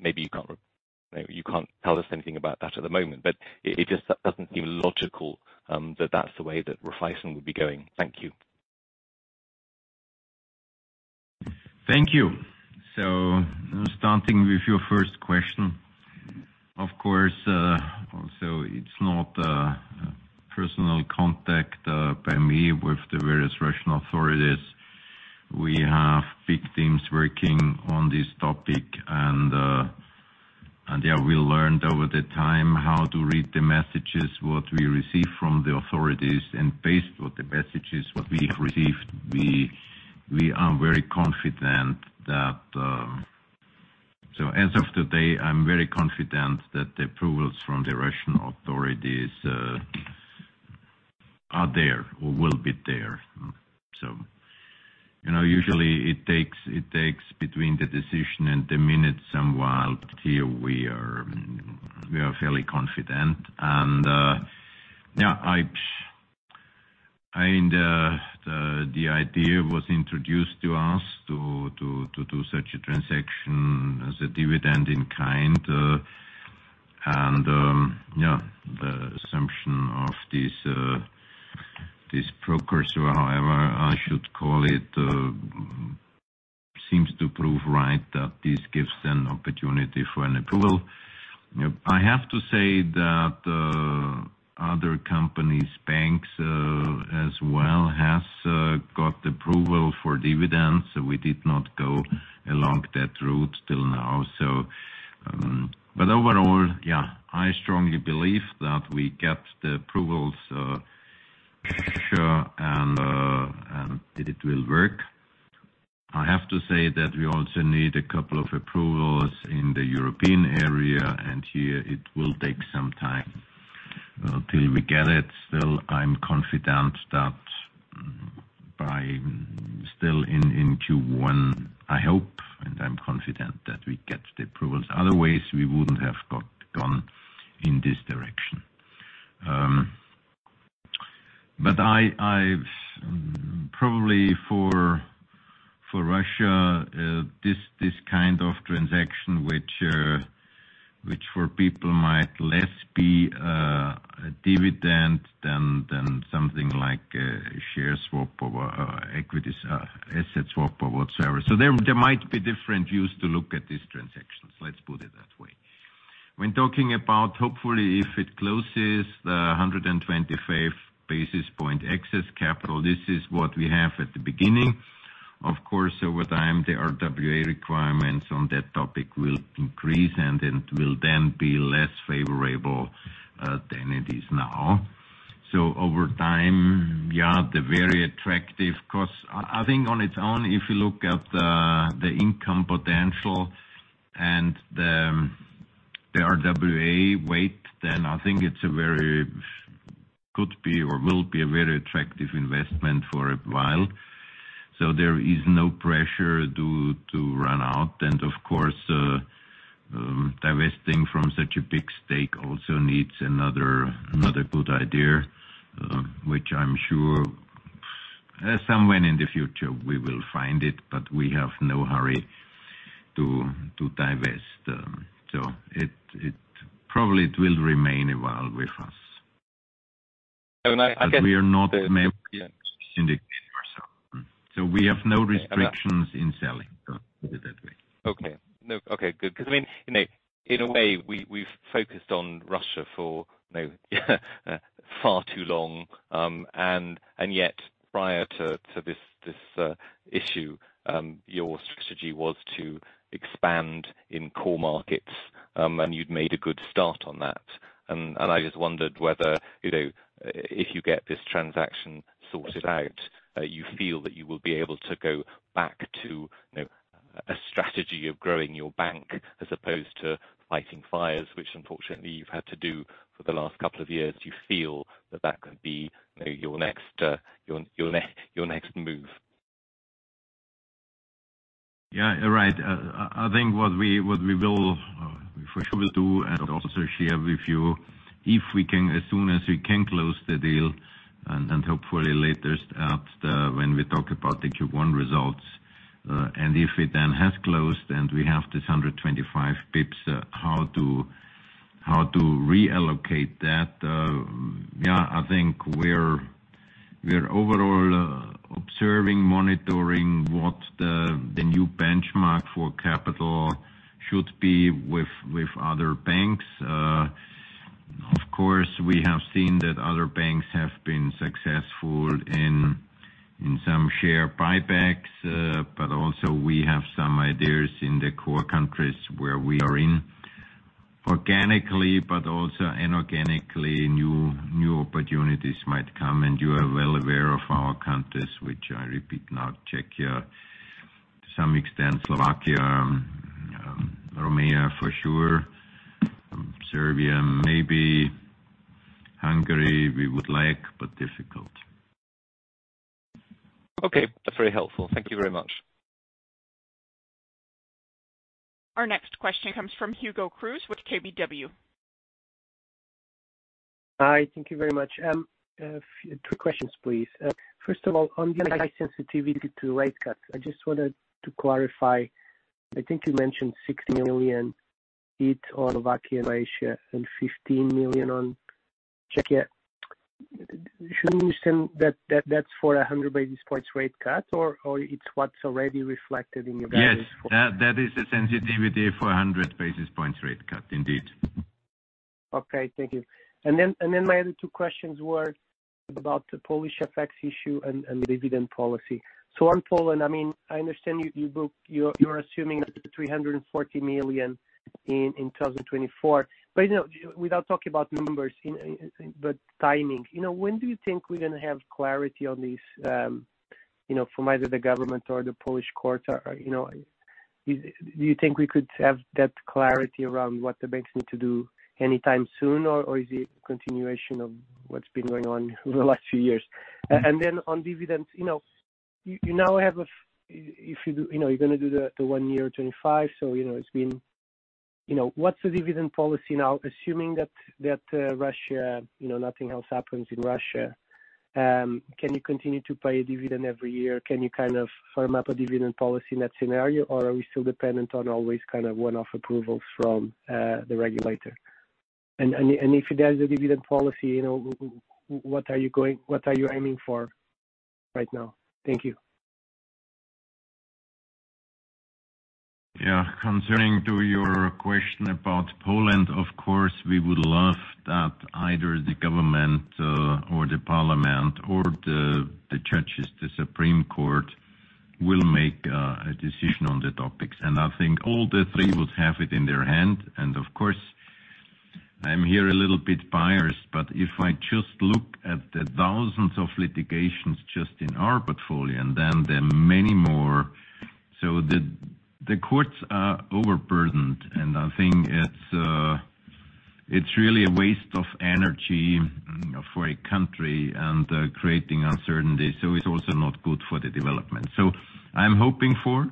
Maybe you can't, you can't tell us anything about that at the moment, but it, it just doesn't seem logical, that that's the way that Raiffeisen would be going. Thank you. Thank you. So starting with your first question, of course, also, it's not personal contact by me with the various Russian authorities. We have big teams working on this topic, and, and, yeah, we learned over the time how to read the messages, what we receive from the authorities, and based on the messages, what we have received, we, we are very confident that—So as of today, I'm very confident that the approvals from the Russian authorities are there or will be there. So, you know, usually it takes, it takes between the decision and the minute somewhat. Here we are, we are fairly confident. And, yeah, I, and, the, the idea was introduced to us to, to, to do such a transaction as a dividend in kind. Yeah, the assumption of this, this broker, so however I should call it, seems to prove right that this gives an opportunity for an approval. I have to say that, other companies, banks, as well, has, got approval for dividends. So we did not go along that route till now, so. But overall, yeah, I strongly believe that we get the approvals, sure, and, and it will work. I have to say that we also need a couple of approvals in the European area, and here it will take some time, till we get it. Still, I'm confident that by still in Q1, I hope, and I'm confident, that we get the approvals. Other ways, we wouldn't have gone in this direction. But I've probably, for Russia, this kind of transaction, which for people might less be a dividend than something like a share swap or equity asset swap or whatsoever. So there might be different views to look at these transactions. Let's put it that way. When talking about, hopefully, if it closes the 125 basis point excess capital, this is what we have at the beginning. Of course, over time, the RWA requirements on that topic will increase, and it will then be less favorable than it is now. So over time, the very attractive, 'cause I think on its own, if you look at the income potential and the RWA weight, then I think it's a very—could be or will be a very attractive investment for a while. So there is no pressure to run out. And of course, divesting from such a big stake also needs another good idea, which I'm sure somewhere in the future we will find it, but we have no hurry to divest. So it probably will remain a while with us. And I guess- We are not incriminating ourselves, so we have no restrictions in selling. Put it that way. Okay. No. Okay, good. Because, I mean, you know, in a way, we, we've focused on Russia for, you know, far too long. And yet prior to this issue, your strategy was to expand in core markets, and you'd made a good start on that. And I just wondered whether, you know, if you get this transaction sorted out, you feel that you will be able to go back to, you know, a strategy of growing your bank as opposed to fighting fires, which unfortunately you've had to do for the last couple of years. Do you feel that that could be, you know, your next move? Yeah, right. I think what we will for sure do and also share with you, if we can, as soon as we can close the deal, and hopefully later at when we talk about the Q1 results, and if it then has closed and we have this 125 pips, how to reallocate that, yeah, I think we're overall observing, monitoring what the new benchmark for capital should be with other banks. Of course, we have seen that other banks have been successful in some share buybacks, but also we have some ideas in the core countries where we are in.... organically, but also inorganically, new, new opportunities might come, and you are well aware of our countries, which I repeat now, Czechia, to some extent, Slovakia, Romania for sure, Serbia, maybe Hungary we would like, but difficult. Okay, that's very helpful. Thank you very much. Our next question comes from Hugo Cruz with KBW. Hi, thank you very much. Two questions, please. First of all, on the high sensitivity to rate cuts, I just wanted to clarify. I think you mentioned 60 million each on Slovakia and Croatia, and 15 million on Czechia. Should we understand that, that, that's for a 100 basis points rate cut, or, or it's what's already reflected in your guidance? Yes, that, that is the sensitivity for a 100 basis points rate cut, indeed. Okay. Thank you. And then my other two questions were about the Polish FX issue and dividend policy. So on Poland, I mean, I understand you're assuming 340 million in 2024. But you know, without talking about numbers, but timing, you know, when do you think we're gonna have clarity on this, you know, from either the government or the Polish courts? Or you know, do you think we could have that clarity around what the banks need to do anytime soon, or is it a continuation of what's been going on over the last few years? And then on dividends, you know, you now have a—if you do, you know, you're gonna do the 1.25, so you know, it's been, you know. What's the dividend policy now, assuming that Russia, you know, nothing else happens in Russia, can you continue to pay a dividend every year? Can you kind of firm up a dividend policy in that scenario, or are we still dependent on always kind of one-off approvals from the regulator? And if there's a dividend policy, you know, what are you aiming for right now? Thank you. Yeah. Concerning your question about Poland, of course, we would love that either the government, or the parliament or the judges, the Supreme Court, will make a decision on the topics. And I think all the three would have it in their hand. And of course, I'm here a little bit biased, but if I just look at the thousands of litigations just in our portfolio, and then there are many more, so the courts are overburdened, and I think it's really a waste of energy for a country and creating uncertainty, so it's also not good for the development. So I'm hoping for,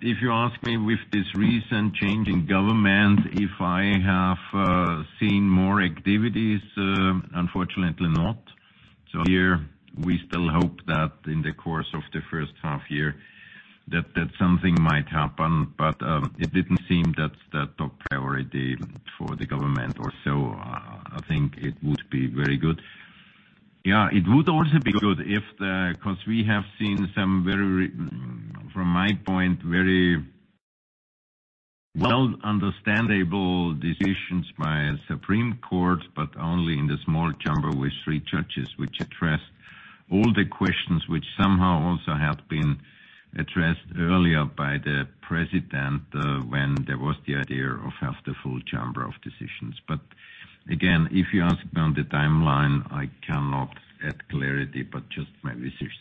if you ask me with this recent change in government, if I have seen more activities? Unfortunately not. So here we still hope that in the course of the first half year, that something might happen, but it didn't seem that's the top priority for the government or so. I think it would be very good. Yeah, it would also be good if the... 'cause we have seen some very, from my point, very well understandable decisions by a Supreme Court, but only in the small chamber with three judges, which addressed all the questions, which somehow also have been addressed earlier by the president, when there was the idea of have the full chamber of decisions. But again, if you ask me on the timeline, I cannot add clarity, but just my wishes.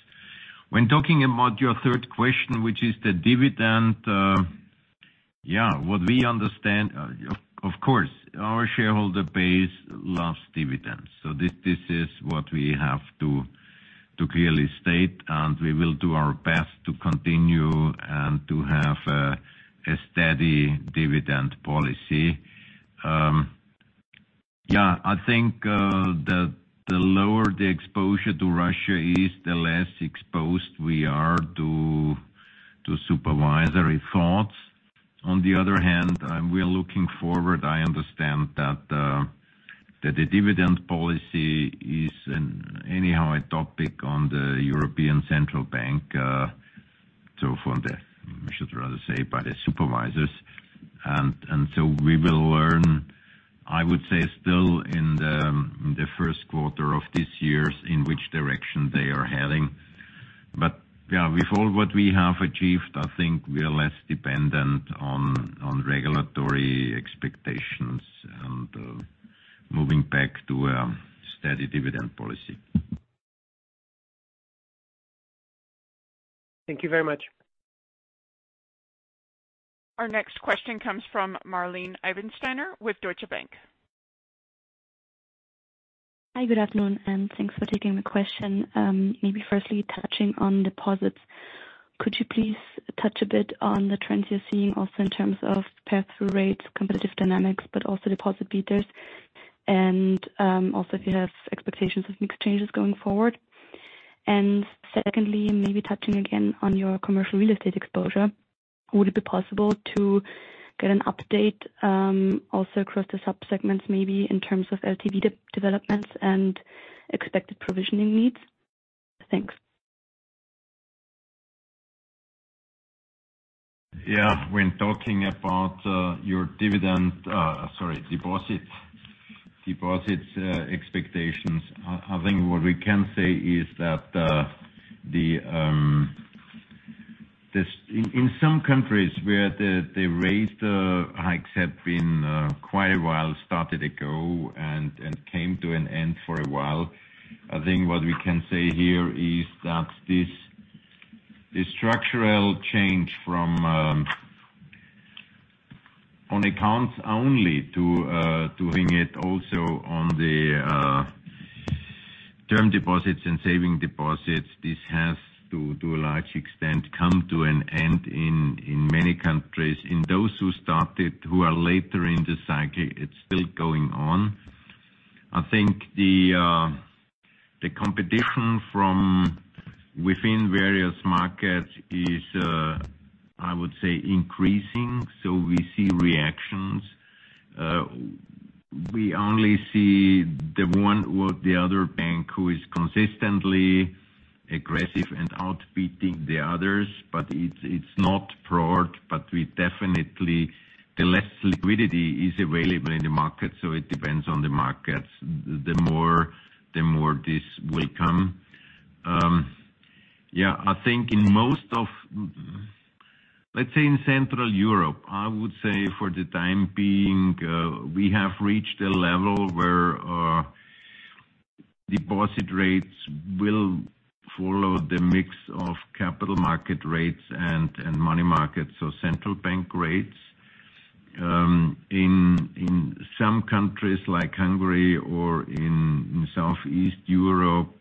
When talking about your third question, which is the dividend, yeah, what we understand, of course, our shareholder base loves dividends, so this, this is what we have to, to clearly state, and we will do our best to continue and to have, a steady dividend policy. Yeah, I think, the lower the exposure to Russia is, the less exposed we are to, to supervisory thoughts. On the other hand, we are looking forward. I understand that, that the dividend policy is anyhow a topic on the European Central Bank, so from the, I should rather say, by the supervisors. And so we will learn, I would say, still in the first quarter of this year, in which direction they are heading. Yeah, with all what we have achieved, I think we are less dependent on regulatory expectations and moving back to a steady dividend policy. Thank you very much. Our next question comes from Marlene Eibensteiner with Deutsche Bank. Hi, good afternoon, and thanks for taking the question. Maybe firstly, touching on deposits. Could you please touch a bit on the trends you're seeing also in terms of pass-through rates, competitive dynamics, but also deposit betas, and, also if you have expectations of mixed changes going forward? And secondly, maybe touching again on your commercial real estate exposure, would it be possible to get an update, also across the subsegments, maybe in terms of LTV developments and expected provisioning needs? Thanks. Yeah. When talking about your dividend, sorry, deposits, deposits, expectations, I think what we can say is that This, in some countries where the rate hikes have been quite a while started ago and came to an end for a while. I think what we can say here is that this structural change from on accounts only to doing it also on the term deposits and saving deposits, this has to a large extent come to an end in many countries. In those who started who are later in the cycle, it's still going on. I think the competition from within various markets is I would say increasing, so we see reactions. We only see the one or the other bank who is consistently aggressive and outbidding the others, but it's, it's not broad, but we definitely—the less liquidity is available in the market, so it depends on the markets, the more, the more this will come. Yeah, I think in most of, let's say in Central Europe, I would say for the time being, we have reached a level where, deposit rates will follow the mix of capital market rates and, and money markets, so central bank rates. In, in some countries like Hungary or in Southeast Europe,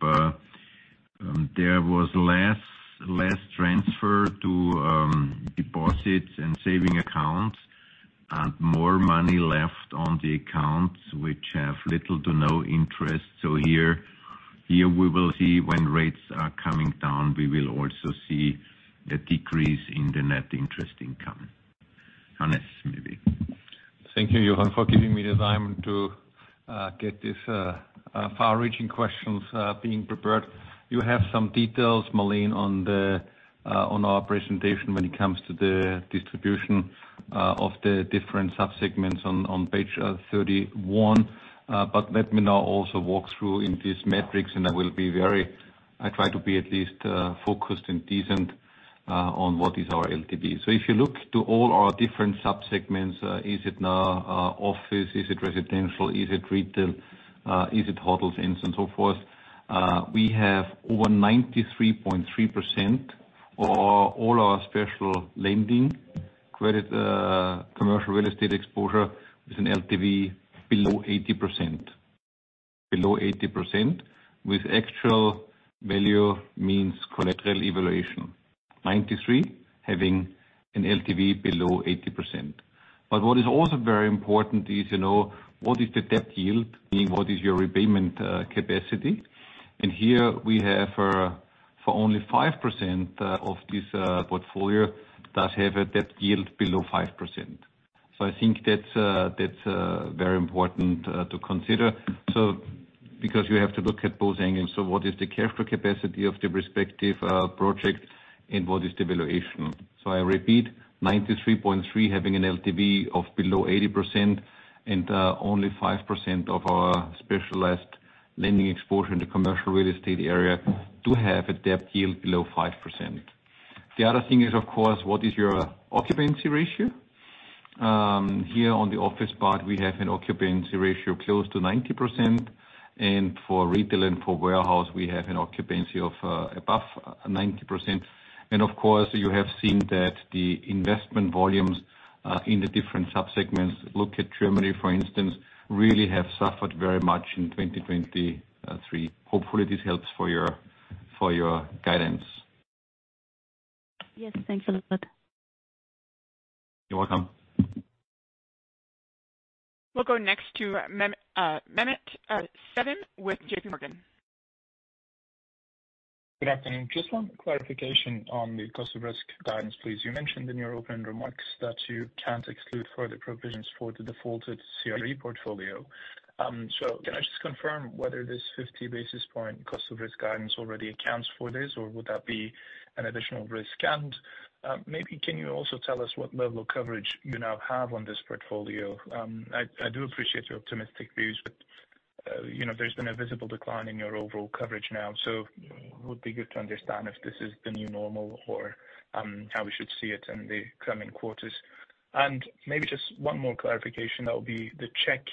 there was less, less transfer to, deposits and saving accounts, and more money left on the accounts, which have little to no interest. So here, we will see when rates are coming down, we will also see a decrease in the net interest income. Hannes, maybe. Thank you, Johann, for giving me the time to get this far-reaching questions being prepared. You have some details, Marlene, on the on our presentation when it comes to the distribution of the different subsegments on on page 31. But let me now also walk through in these metrics, and I will be very—I try to be at least focused and decent on what is our LTV. So if you look to all our different subsegments, is it office? Is it residential? Is it retail? is it hotels and so forth? We have over 93.3% of all our specialized lending credit commercial real estate exposure is an LTV below 80%. Below 80%, with actual value means collateral evaluation, 93 having an LTV below 80%. But what is also very important is, you know, what is the debt yield, meaning what is your repayment capacity? And here we have, for only 5% of this portfolio, does have a debt yield below 5%. So I think that's, that's, very important to consider. So because you have to look at both angles, so what is the cash capacity of the respective project, and what is the valuation? So I repeat, 93.3 having an LTV of below 80%, and only 5% of our specialized lending exposure in the commercial real estate area do have a debt yield below 5%. The other thing is, of course, what is your occupancy ratio? Here on the office part, we have an occupancy ratio close to 90%, and for retail and for warehouse, we have an occupancy of above 90%. And of course, you have seen that the investment volumes in the different subsegments, look at Germany, for instance, really have suffered very much in 2023. Hopefully, this helps for your guidance. Yes, thanks a lot. You're welcome. We'll go next to Mehmet Sevim with J.P. Morgan. Good afternoon. Just one clarification on the cost of risk guidance, please. You mentioned in your opening remarks that you can't exclude further provisions for the defaulted CRE portfolio. So can I just confirm whether this 50 basis points cost of risk guidance already accounts for this, or would that be an additional risk? And, maybe can you also tell us what level of coverage you now have on this portfolio? I do appreciate your optimistic views, but, you know, there's been a visible decline in your overall coverage now, so it would be good to understand if this is the new normal or, how we should see it in the coming quarters. And maybe just one more clarification, that would be the Czech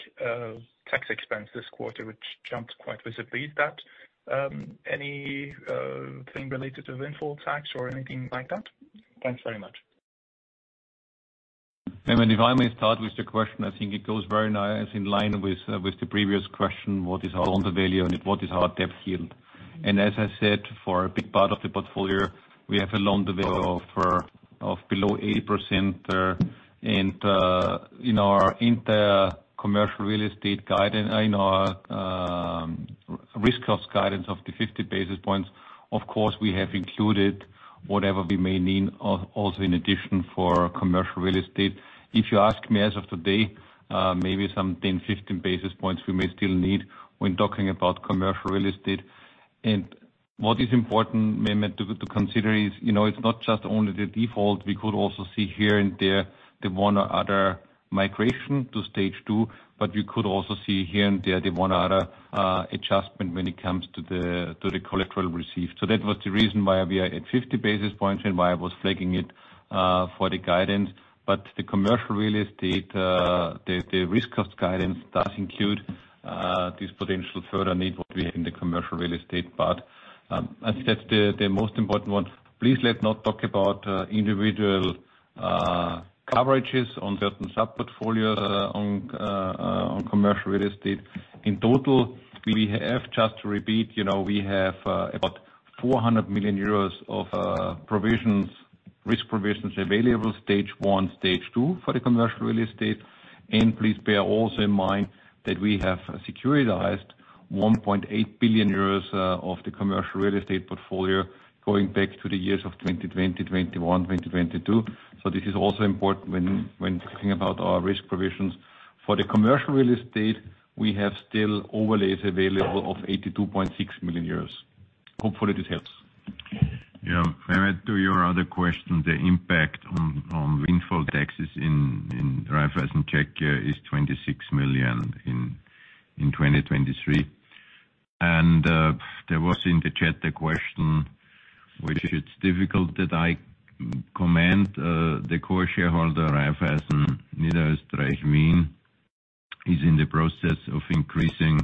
tax expense this quarter, which jumped quite visibly. Is that, anything related to windfall tax or anything like that? Thanks very much. If I may start with the question, I think it goes very nice in line with the previous question: What is our loan-to-value and what is our debt yield? As I said, for a big part of the portfolio, we have a loan-to-value of below 80%, and in our internal commercial real estate guidance, in our risk cost guidance of the 50 basis points, of course, we have included whatever we may need also in addition for commercial real estate. If you ask me, as of today, maybe some 10, 15 basis points we may still need when talking about commercial real estate. And... What is important, Mehmet, to consider is, you know, it's not just only the default. We could also see here and there, the one or other migration to stage two, but we could also see here and there, the one or other adjustment when it comes to the collateral received. So that was the reason why we are at 50 basis points and why I was flagging it for the guidance. But the commercial real estate, the risk cost guidance does include this potential further need what we have in the commercial real estate. But I think that's the most important one. Please, let's not talk about individual coverages on certain sub-portfolios on commercial real estate. In total, we have, just to repeat, you know, we have, about 400 million euros of provisions, risk provisions available, stage one, stage two for the commercial real estate. And please bear also in mind that we have securitized 1.8 billion euros of the commercial real estate portfolio going back to the years of 2020, 2021, 2022. So this is also important when, when talking about our risk provisions. For the commercial real estate, we have still overlays available of 82.6 million euros. Hopefully, this helps. Yeah. Mehmet, to your other question, the impact on windfall taxes in Raiffeisenbank Czechia is 26 million in 2023. There was in the chat the question, which it's difficult that I comment. The core shareholder, Raiffeisen-Holding Niederösterreich-Wien, is in the process of increasing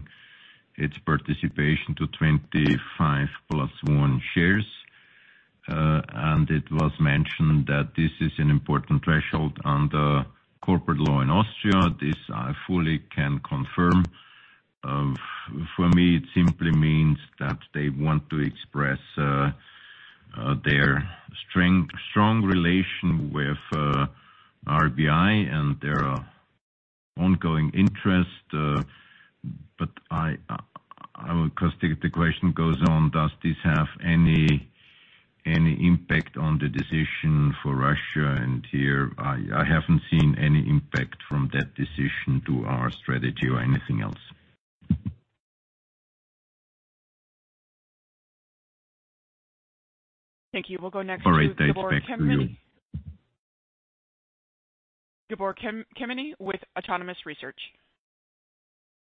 its participation to 25 plus one shares. And it was mentioned that this is an important threshold under corporate law in Austria. This I fully can confirm. For me, it simply means that they want to express their strong relation with RBI and their ongoing interest. But I... Because the question goes on, does this have any impact on the decision for Russia? And here, I haven't seen any impact from that decision to our strategy or anything else. Thank you. We'll go next to Gabor Kemeny. Gabor Kemeny with Autonomous Research.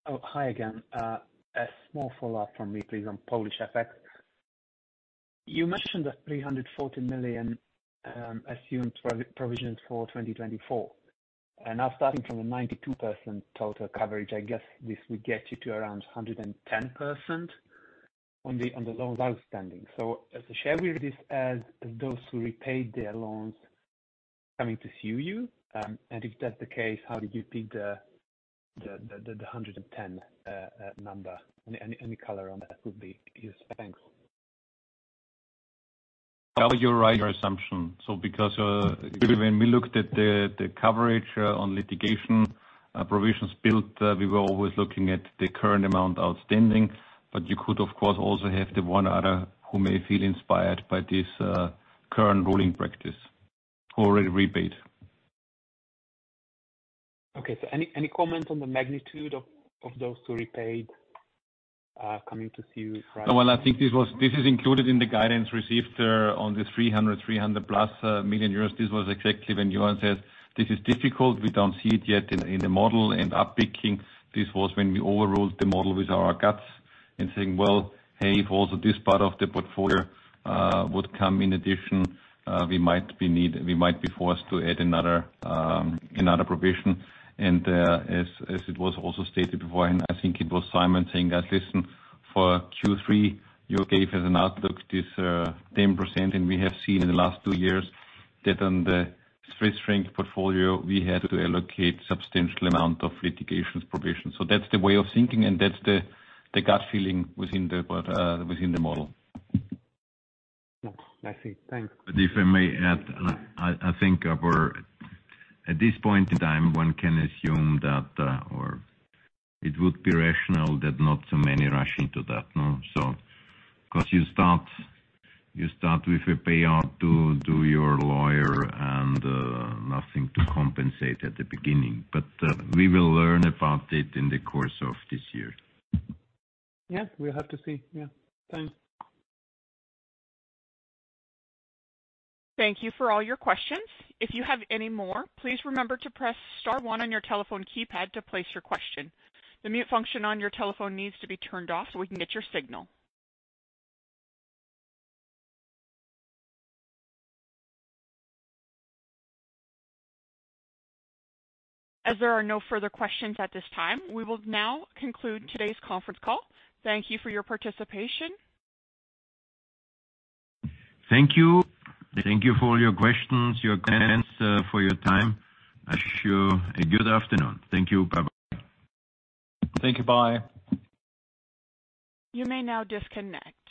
Oh, hi again. A small follow-up from me, please, on Polish FX. You mentioned the 340 million assumed provisions for 2024. And now starting from a 92% total coverage, I guess this would get you to around 110% on the loans outstanding. So shall we read this as those who repaid their loans coming to sue you? And if that's the case, how did you pick the 110 number? Any color on that would be useful. Thanks. Well, you're right, your assumption. So because, when we looked at the coverage on litigation provisions built, we were always looking at the current amount outstanding. But you could, of course, also have the one other who may feel inspired by this current ruling practice who already repaid. Okay. Any comment on the magnitude of those who repaid coming to sue you? Well, I think this was—this is included in the guidance received on the 300, 300+ million. This was exactly when Johann says, "This is difficult. We don't see it yet in the model and uptick. This was when we overrode the model with our guts and saying: "Well, hey, if also this part of the portfolio would come in addition, we might be forced to add another provision." And as it was also stated before, and I think it was Simon saying that, "Listen, for Q3, you gave as an outlook, this 10%, and we have seen in the last two years that on the stressed portfolio, we had to allocate substantial amount of litigation provisions." So that's the way of thinking, and that's the gut feeling within the model. I see. Thanks. But if I may add, I think we're at this point in time one can assume that or it would be rational that not too many rush into that, no? Because you start with a payout to your lawyer and nothing to compensate at the beginning. But we will learn about it in the course of this year. Yeah, we'll have to see. Yeah. Thanks. Thank you for all your questions. If you have any more, please remember to press star one on your telephone keypad to place your question. The mute function on your telephone needs to be turned off so we can get your signal. As there are no further questions at this time, we will now conclude today's conference call. Thank you for your participation. Thank you. Thank you for all your questions, your comments, for your time. I wish you a good afternoon. Thank you. Bye-bye. Thank you. Bye. You may now disconnect.